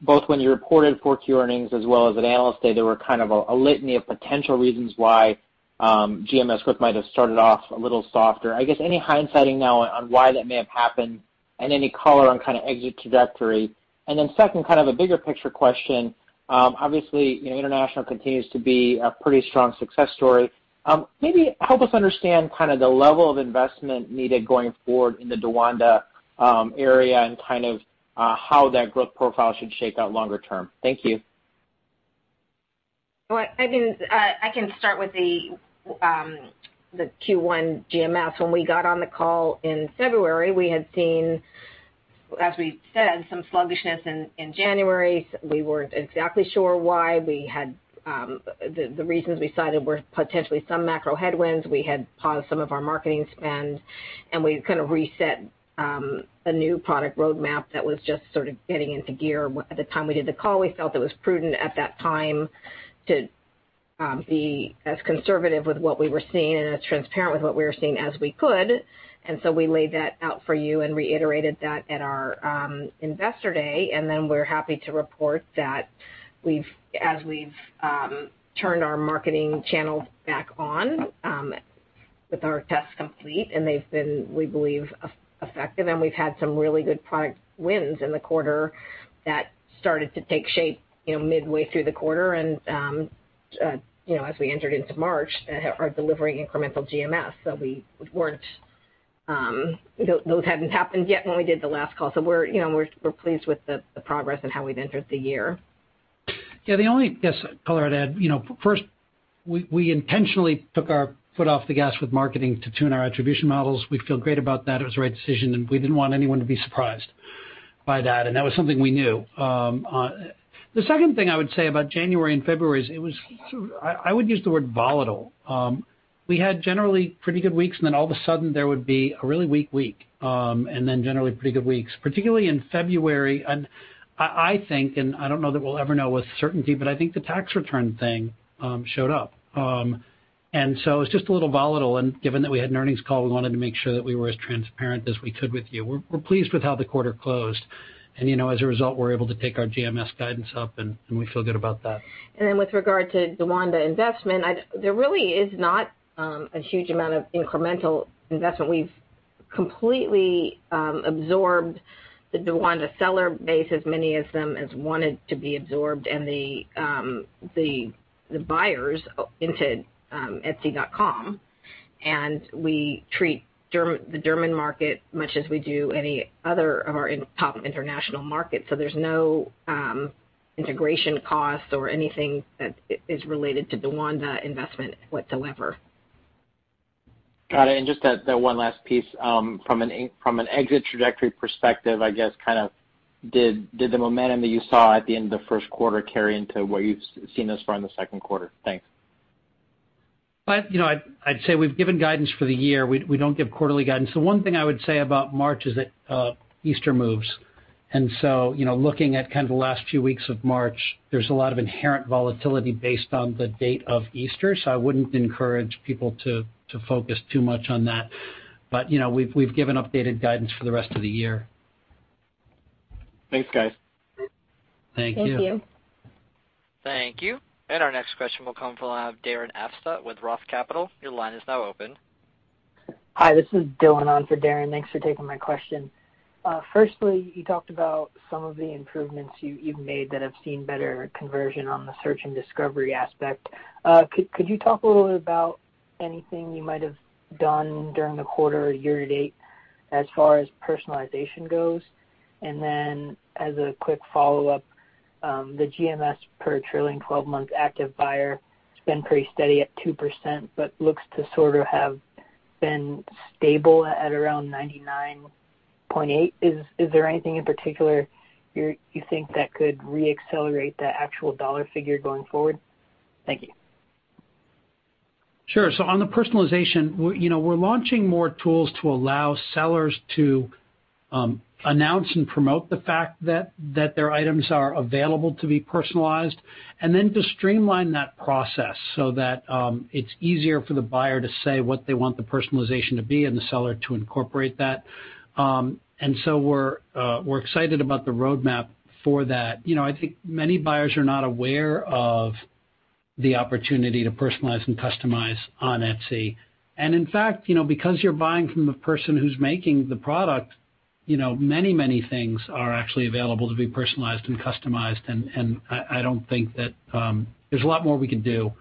both when you reported 4Q earnings as well as at Analyst Day, there were kind of a litany of potential reasons why GMS growth might have started off a little softer. I guess any hindsighting now on why that may have happened and any color on kind of exit trajectory. Then second, kind of a bigger picture question. Obviously, international continues to be a pretty strong success story. Maybe help us understand kind of the level of investment needed going forward in the DaWanda area and kind of how that growth profile should shake out longer term. Thank you. I can start with the Q1 GMS. When we got on the call in February, we had seen, as we said, some sluggishness in January. We weren't exactly sure why. The reasons we cited were potentially some macro headwinds. We had paused some of our marketing spend, and we kind of reset a new product roadmap that was just sort of getting into gear at the time we did the call. We felt it was prudent at that time to be as conservative with what we were seeing and as transparent with what we were seeing as we could. So we laid that out for you and reiterated that at our Investor Day. We're happy to report that as we've turned our marketing channels back on with our tests complete, they've been, we believe, effective, and we've had some really good product wins in the quarter that started to take shape midway through the quarter and as we entered into March, are delivering incremental GMS. Those hadn't happened yet when we did the last call. We're pleased with the progress and how we've entered the year. The only color I'd add, first, we intentionally took our foot off the gas with marketing to tune our attribution models. We feel great about that. It was the right decision, and we didn't want anyone to be surprised by that, and that was something we knew. The second thing I would say about January and February is it was, I would use the word volatile. We had generally pretty good weeks, then all of a sudden, there would be a really weak week, then generally pretty good weeks. Particularly in February, I think, and I don't know that we'll ever know with certainty, but I think the tax return thing showed up. It was just a little volatile, and given that we had an earnings call, we wanted to make sure that we were as transparent as we could with you. We're pleased with how the quarter closed. As a result, we're able to take our GMS guidance up, and we feel good about that. With regard to DaWanda investment, there really is not a huge amount of incremental investment. We've completely absorbed the DaWanda seller base, as many of them as wanted to be absorbed, and the buyers into etsy.com. We treat the German market much as we do any other of our top international markets. There's no integration costs or anything that is related to DaWanda investment whatsoever. Got it. Just that one last piece. From an exit trajectory perspective, I guess kind of did the momentum that you saw at the end of the first quarter carry into what you've seen thus far in the second quarter? Thanks. I'd say we've given guidance for the year. We don't give quarterly guidance. The one thing I would say about March is that Easter moves. Looking at kind of the last few weeks of March, there's a lot of inherent volatility based on the date of Easter. I wouldn't encourage people to focus too much on that. We've given updated guidance for the rest of the year. Thanks, guys. Thank you. Thank you. Thank you. Our next question will come from the line of Darren Aftahi with Roth Capital. Your line is now open. Hi, this is Dylan on for Darren. Thanks for taking my question. Firstly, you talked about some of the improvements you've made that have seen better conversion on the search and discovery aspect. Could you talk a little bit about anything you might have done during the quarter or year to date as far as personalization goes? Then as a quick follow-up, the GMS per trailing 12-month active buyer, it's been pretty steady at 2%, but looks to sort of have been stable at around $99.8. Is there anything in particular you think that could re-accelerate the actual dollar figure going forward? Thank you. Sure. On the personalization, we're launching more tools to allow sellers to announce and promote the fact that their items are available to be personalized, and then to streamline that process so that it's easier for the buyer to say what they want the personalization to be and the seller to incorporate that. So we're excited about the roadmap for that. I think many buyers are not aware of the opportunity to personalize and customize on Etsy. In fact, because you're buying from the person who's making the product, many things are actually available to be personalized and customized. I don't think that there's a lot more we can do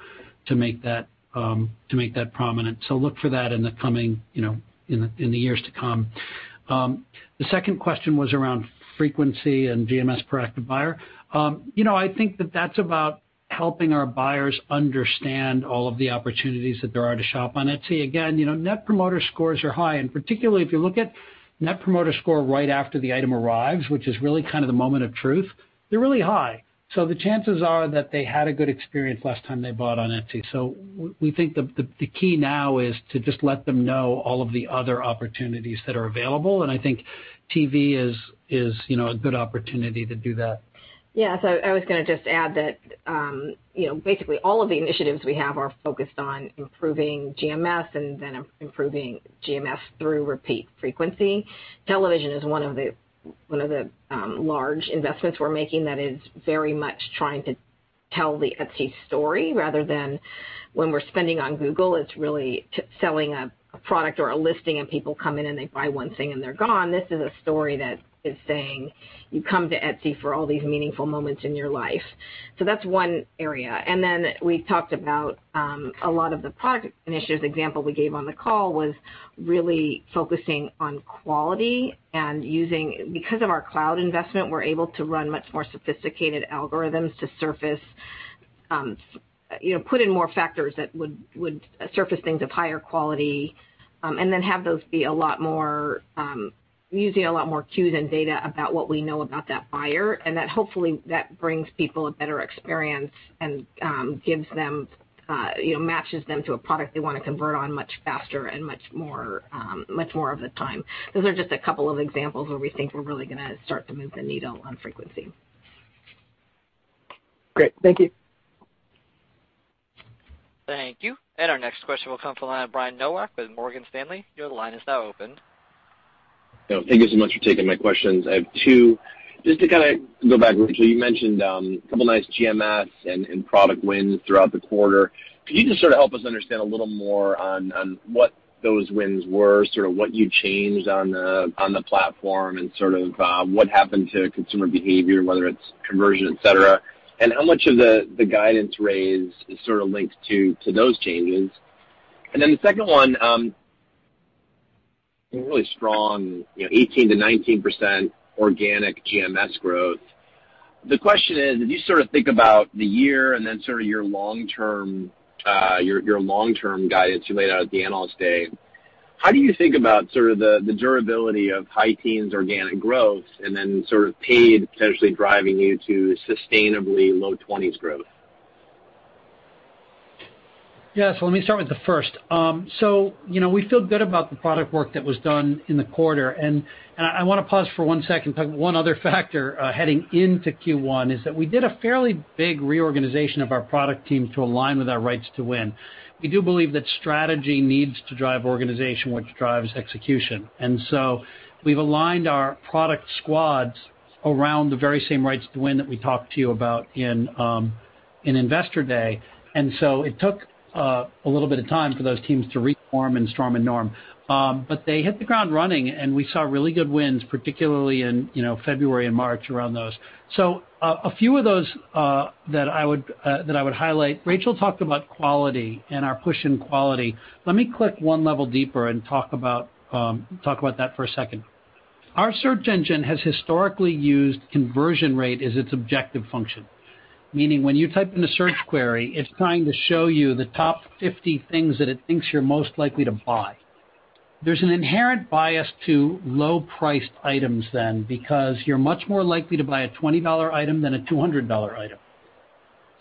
to make that prominent. Look for that in the years to come. The second question was around frequency and GMS per active buyer. I think that that's about helping our buyers understand all of the opportunities that there are to shop on Etsy. Again, Net Promoter Scores are high, and particularly if you look at Net Promoter Score right after the item arrives, which is really kind of the moment of truth, they're really high. The chances are that they had a good experience last time they bought on Etsy. We think the key now is to just let them know all of the other opportunities that are available, and I think TV is a good opportunity to do that. Yeah. I was going to just add that, basically all of the initiatives we have are focused on improving GMS and then improving GMS through repeat frequency. Television is one of the large investments we're making that is very much trying to tell the Etsy story rather than when we're spending on Google, it's really selling a product or a listing, and people come in and they buy one thing and they're gone. This is a story that is saying you come to Etsy for all these meaningful moments in your life. That's one area. Then we talked about a lot of the product initiatives. Example we gave on the call was really focusing on quality and because of our cloud investment, we're able to run much more sophisticated algorithms to put in more factors that would surface things of higher quality, and then have those be using a lot more cues and data about what we know about that buyer. That hopefully that brings people a better experience and matches them to a product they want to convert on much faster and much more of the time. Those are just a couple of examples where we think we're really going to start to move the needle on frequency. Great. Thank you. Thank you. Our next question will come from the line of Brian Nowak with Morgan Stanley. Your line is now open. Thank you so much for taking my questions. I have two. Just to kind of go back, Rachel, you mentioned a couple of nice GMS and product wins throughout the quarter. Could you just sort of help us understand a little more on what those wins were, sort of what you changed on the platform and sort of what happened to consumer behavior, whether it's conversion, et cetera, and how much of the guidance raised is sort of linked to those changes? The second one, really strong 18%-19% organic GMS growth. The question is, as you sort of think about the year and then sort of your long-term guidance you laid out at the Analyst Day, how do you think about sort of the durability of high teens organic growth and then sort of paid potentially driving you to sustainably low twenties growth? Yeah. Let me start with the first. We feel good about the product work that was done in the quarter. I want to pause for one second, talk about one other factor heading into Q1, is that we did a fairly big reorganization of our product team to align with our rights to win. We do believe that strategy needs to drive organization, which drives execution. We've aligned our product squads around the very same rights to win that we talked to you about in Investor Day. It took a little bit of time for those teams to reform and storm and norm. They hit the ground running, and we saw really good wins, particularly in February and March around those. A few of those that I would highlight, Rachel talked about quality and our push in quality. Let me click one level deeper and talk about that for a second. Our search engine has historically used conversion rate as its objective function, meaning when you type in a search query, it's trying to show you the top 50 things that it thinks you're most likely to buy. There's an inherent bias to low-priced items then, because you're much more likely to buy a $20 item than a $200 item.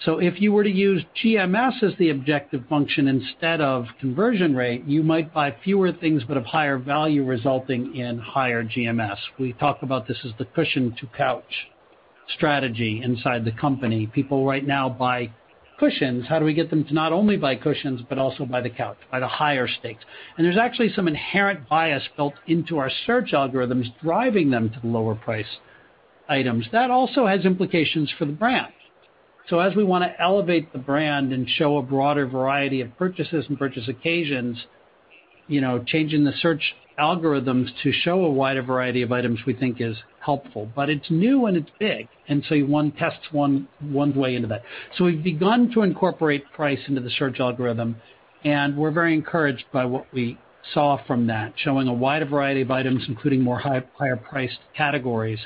If you were to use GMS as the objective function instead of conversion rate, you might buy fewer things but of higher value, resulting in higher GMS. We talk about this as the cushion to couch strategy inside the company. People right now buy cushions. How do we get them to not only buy cushions, but also buy the couch at a higher stake? There's actually some inherent bias built into our search algorithms driving them to lower-price items. That also has implications for the brand. As we want to elevate the brand and show a broader variety of purchases and purchase occasions, changing the search algorithms to show a wider variety of items we think is helpful. It's new and it's big, one tests one way into that. We've begun to incorporate price into the search algorithm, and we're very encouraged by what we saw from that, showing a wider variety of items, including more higher-priced categories.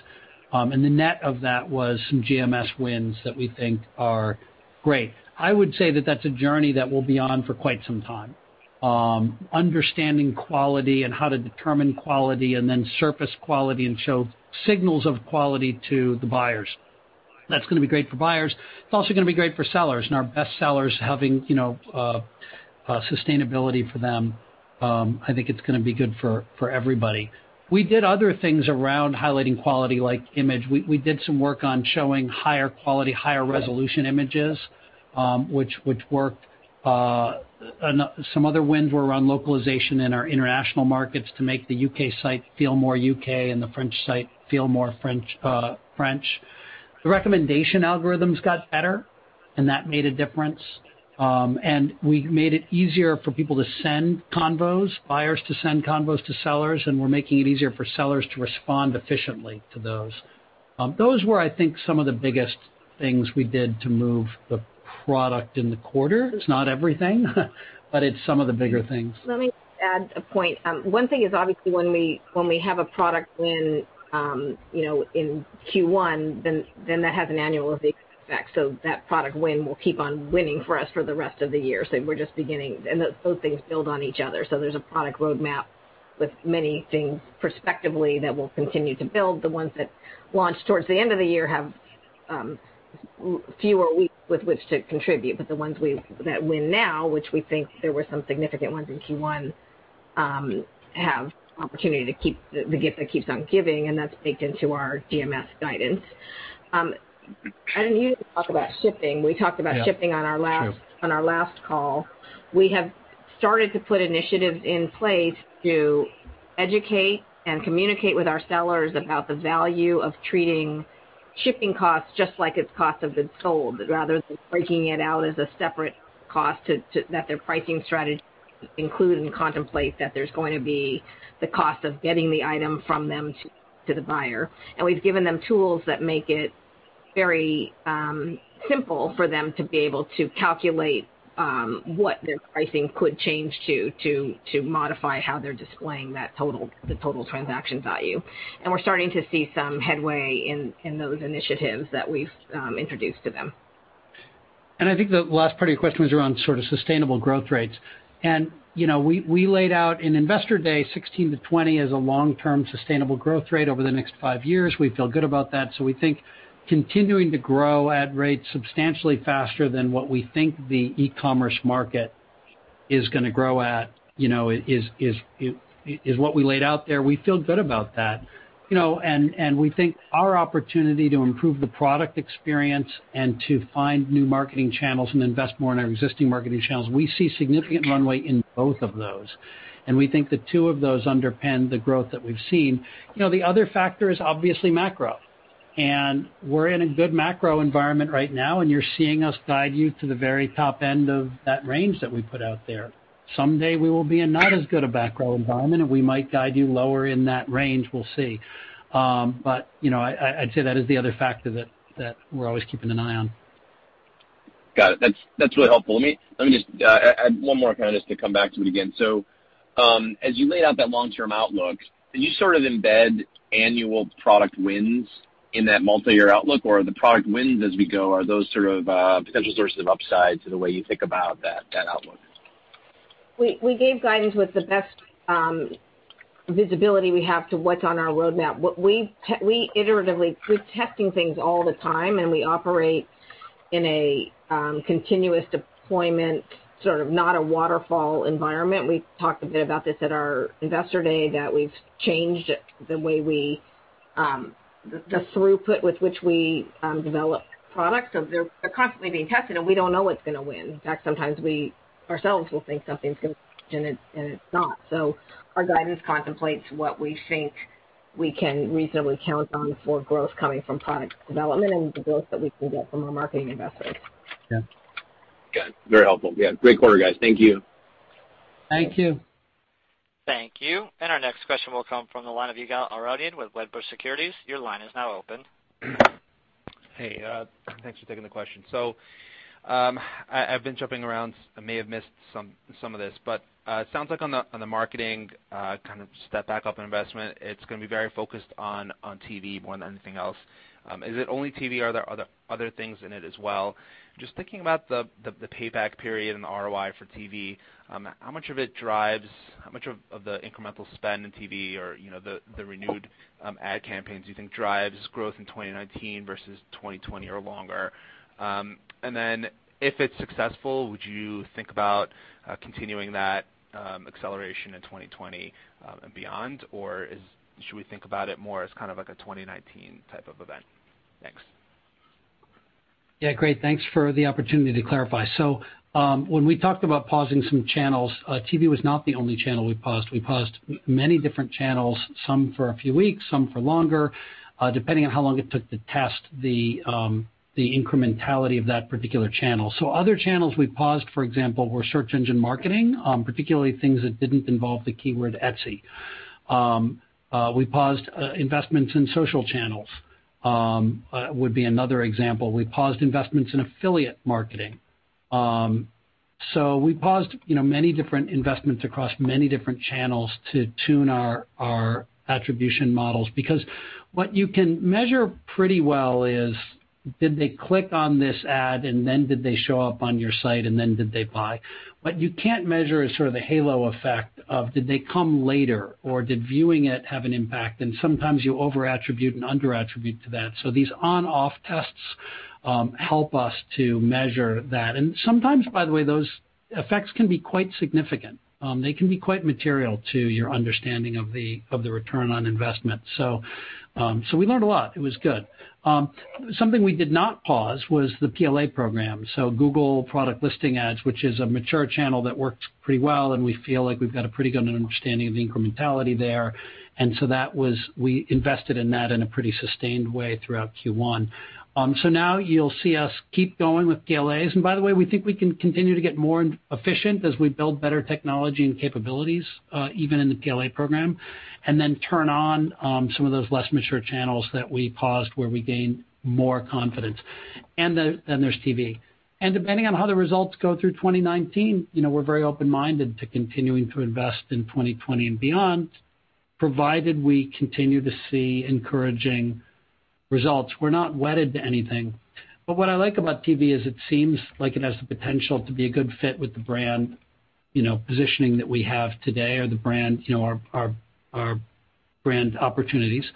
The net of that was some GMS wins that we think are great. I would say that's a journey that we'll be on for quite some time. Understanding quality and how to determine quality, and then surface quality and show signals of quality to the buyers. That's going to be great for buyers. It's also going to be great for sellers, and our best sellers having sustainability for them, I think it's going to be good for everybody. We did other things around highlighting quality, like image. We did some work on showing higher quality, higher resolution images, which worked. Some other wins were around localization in our international markets to make the U.K. site feel more U.K. and the French site feel more French. The recommendation algorithms got better, and that made a difference. We made it easier for people to send convos, buyers to send convos to sellers, and we're making it easier for sellers to respond efficiently to those. Those were, I think, some of the biggest things we did to move the product in the quarter. It's not everything, but it's some of the bigger things. Let me just add a point. One thing is obviously when we have a product win in Q1, that has an annual effect. That product win will keep on winning for us for the rest of the year. We're just beginning, and those things build on each other. There's a product roadmap with many things perspectively that we'll continue to build. The ones that launch towards the end of the year have fewer weeks with which to contribute. The ones that win now, which we think there were some significant ones in Q1, have opportunity to keep the gift that keeps on giving, and that's baked into our GMS guidance. I didn't hear you talk about shipping. We talked about shipping. Yeah, sure on our last call. We have started to put initiatives in place to educate and communicate with our sellers about the value of treating shipping costs just like it's cost of goods sold rather than breaking it out as a separate cost, that their pricing strategy include and contemplate that there's going to be the cost of getting the item from them to the buyer. We've given them tools that make it very simple for them to be able to calculate what their pricing could change to modify how they're displaying the total transaction value. We're starting to see some headway in those initiatives that we've introduced to them. I think the last part of your question was around sort of sustainable growth rates. We laid out in Investor Day 16%-20% as a long-term sustainable growth rate over the next five years. We feel good about that. We think continuing to grow at rates substantially faster than what we think the e-commerce market is going to grow at, is what we laid out there. We feel good about that. We think our opportunity to improve the product experience and to find new marketing channels and invest more in our existing marketing channels, we see significant runway in both of those, and we think the two of those underpin the growth that we've seen. The other factor is obviously macro, and we're in a good macro environment right now, and you're seeing us guide you to the very top end of that range that we put out there. Someday we will be in not as good a macro environment, and we might guide you lower in that range, we'll see. I'd say that is the other factor that we're always keeping an eye on. Got it. That's really helpful. Let me just add one more, kind of just to come back to it again. As you laid out that long-term outlook, did you sort of embed annual product wins in that multi-year outlook? The product wins as we go, are those sort of potential sources of upside to the way you think about that outlook? We gave guidance with the best visibility we have to what's on our roadmap. We're testing things all the time, and we operate in a continuous deployment, sort of not a waterfall environment. We talked a bit about this at our Investor Day, that we've changed the throughput with which we develop products. They're constantly being tested, and we don't know what's going to win. In fact, sometimes we ourselves will think something's going to win, and it's not. Our guidance contemplates what we think we can reasonably count on for growth coming from product development and the growth that we can get from our marketing investments. Yeah. Got it. Very helpful. Yeah. Great quarter, guys. Thank you. Thank you. Thank you. Our next question will come from the line of Ygal Arounian with Wedbush Securities. Your line is now open. Hey, thanks for taking the question. I've been jumping around. I may have missed some of this, but it sounds like on the marketing kind of step back up investment, it's going to be very focused on TV more than anything else. Is it only TV, or are there other things in it as well? Just thinking about the payback period and the ROI for TV, how much of the incremental spend in TV or the renewed ad campaigns do you think drives growth in 2019 versus 2020 or longer? If it's successful, would you think about continuing that acceleration in 2020 and beyond, or should we think about it more as kind of like a 2019 type of event? Thanks. Yeah, great. Thanks for the opportunity to clarify. When we talked about pausing some channels, TV was not the only channel we paused. We paused many different channels, some for a few weeks, some for longer, depending on how long it took to test the incrementality of that particular channel. Other channels we paused, for example, were search engine marketing, particularly things that didn't involve the keyword Etsy. We paused investments in social channels, would be another example. We paused investments in affiliate marketing. We paused many different investments across many different channels to tune our attribution models because what you can measure pretty well is did they click on this ad and then did they show up on your site and then did they buy? What you can't measure is sort of the halo effect of did they come later or did viewing it have an impact? Sometimes you over-attribute and under-attribute to that. These on-off tests help us to measure that. Sometimes, by the way, those effects can be quite significant. They can be quite material to your understanding of the return on investment. We learned a lot. It was good. Something we did not pause was the PLA program, Google Product Listing Ads, which is a mature channel that works pretty well, and we feel like we've got a pretty good understanding of the incrementality there. We invested in that in a pretty sustained way throughout Q1. Now you'll see us keep going with PLAs. By the way, we think we can continue to get more efficient as we build better technology and capabilities, even in the PLA program, and then turn on some of those less mature channels that we paused where we gain more confidence. There's TV. Depending on how the results go through 2019, we're very open-minded to continuing to invest in 2020 and beyond, provided we continue to see encouraging results. We're not wedded to anything. What I like about TV is it seems like it has the potential to be a good fit with the brand positioning that we have today or our brand opportunities.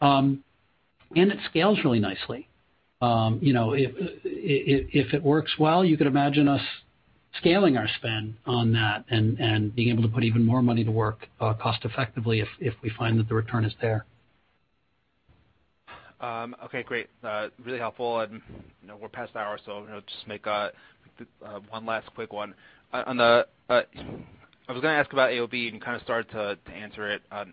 It scales really nicely. If it works well, you could imagine us scaling our spend on that and being able to put even more money to work cost-effectively if we find that the return is there. Okay, great. Really helpful. We're past the hour, so I'll just make one last quick one. I was going to ask about AOV, and you kind of started to answer it on.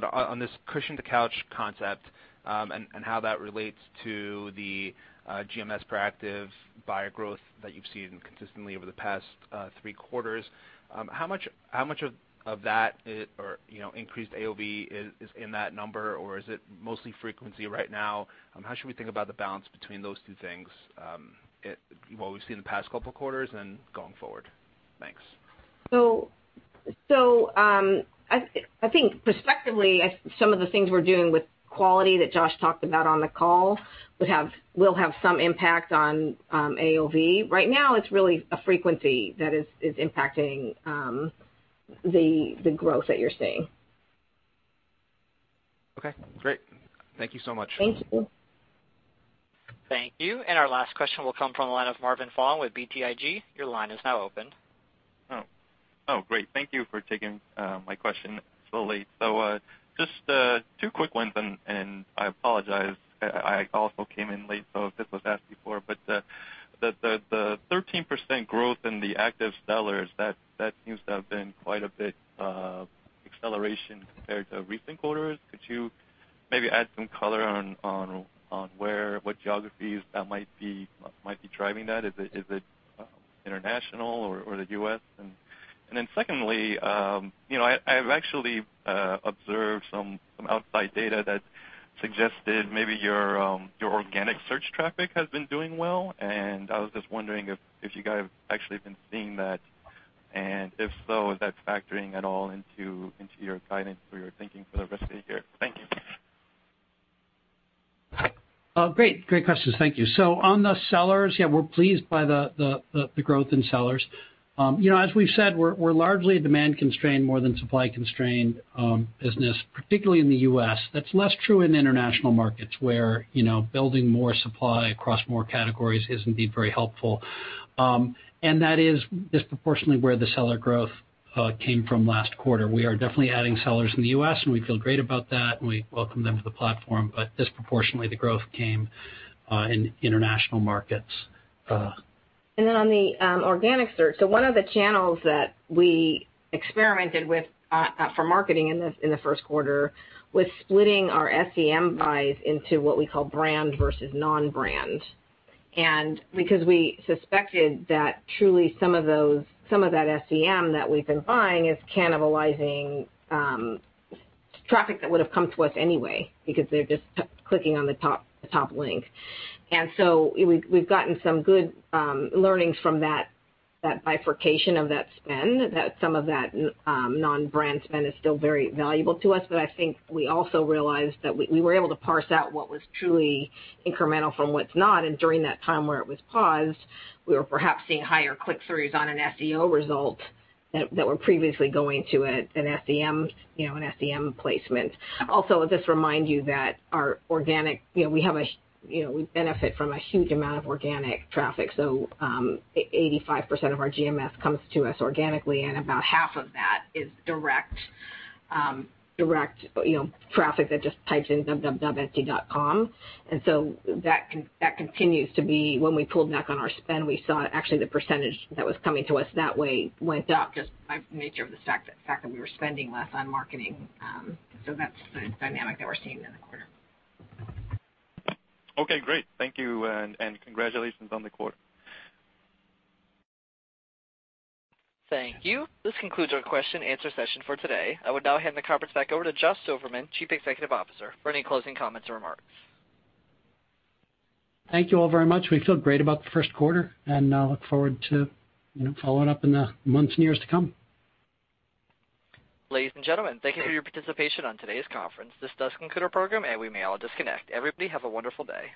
On this cushion to couch concept, and how that relates to the GMS proactive buyer growth that you've seen consistently over the past three quarters, how much of that or increased AOV is in that number, or is it mostly frequency right now? How should we think about the balance between those two things, what we've seen in the past couple quarters and going forward? Thanks. I think prospectively, some of the things we're doing with quality that Josh talked about on the call will have some impact on AOV. Right now it's really a frequency that is impacting the growth that you're seeing. Okay, great. Thank you so much. Thank you. Thank you. Our last question will come from the line of Marvin Fong with BTIG. Your line is now open. Oh, great. Thank you for taking my question so late. Just two quick ones and I apologize, I also came in late, if this was asked before, but the 13% growth in the active sellers, that seems to have been quite a bit acceleration compared to recent quarters. Could you maybe add some color on what geographies that might be driving that? Is it international or the U.S.? Secondly, I've actually observed some outside data that suggested maybe your organic search traffic has been doing well, and I was just wondering if you guys have actually been seeing that, and if so, is that factoring at all into your guidance or your thinking for the rest of the year? Thank you. Great questions. Thank you. On the sellers, yeah, we're pleased by the growth in sellers. As we've said, we're largely a demand-constrained more than supply-constrained business, particularly in the U.S. That's less true in international markets where building more supply across more categories has indeed very helpful. That is disproportionately where the seller growth came from last quarter. We are definitely adding sellers in the U.S., and we feel great about that, and we welcome them to the platform. Disproportionately, the growth came in international markets. On the organic search, one of the channels that we experimented with for marketing in the first quarter was splitting our SEM buys into what we call brand versus non-brand because we suspected that truly some of that SEM that we've been buying is cannibalizing traffic that would've come to us anyway because they're just clicking on the top link. We've gotten some good learnings from that bifurcation of that spend, that some of that non-brand spend is still very valuable to us. I think we also realized that we were able to parse out what was truly incremental from what's not. During that time where it was paused, we were perhaps seeing higher click-throughs on an SEO result that were previously going to an SEM placement. I'll just remind you that we benefit from a huge amount of organic traffic. 85% of our GMS comes to us organically, and about half of that is direct traffic that just types in www.etsy.com. That continues to be when we pulled back on our spend, we saw actually the percentage that was coming to us that way went up just by nature of the fact that we were spending less on marketing. That's the dynamic that we're seeing in the quarter. Great. Thank you, and congratulations on the quarter. Thank you. This concludes our question and answer session for today. I would now hand the conference back over to Josh Silverman, Chief Executive Officer, for any closing comments or remarks. Thank you all very much. We feel great about the first quarter, and I look forward to following up in the months and years to come. Ladies and gentlemen, thank you for your participation on today's conference. This does conclude our program, and we may all disconnect. Everybody, have a wonderful day.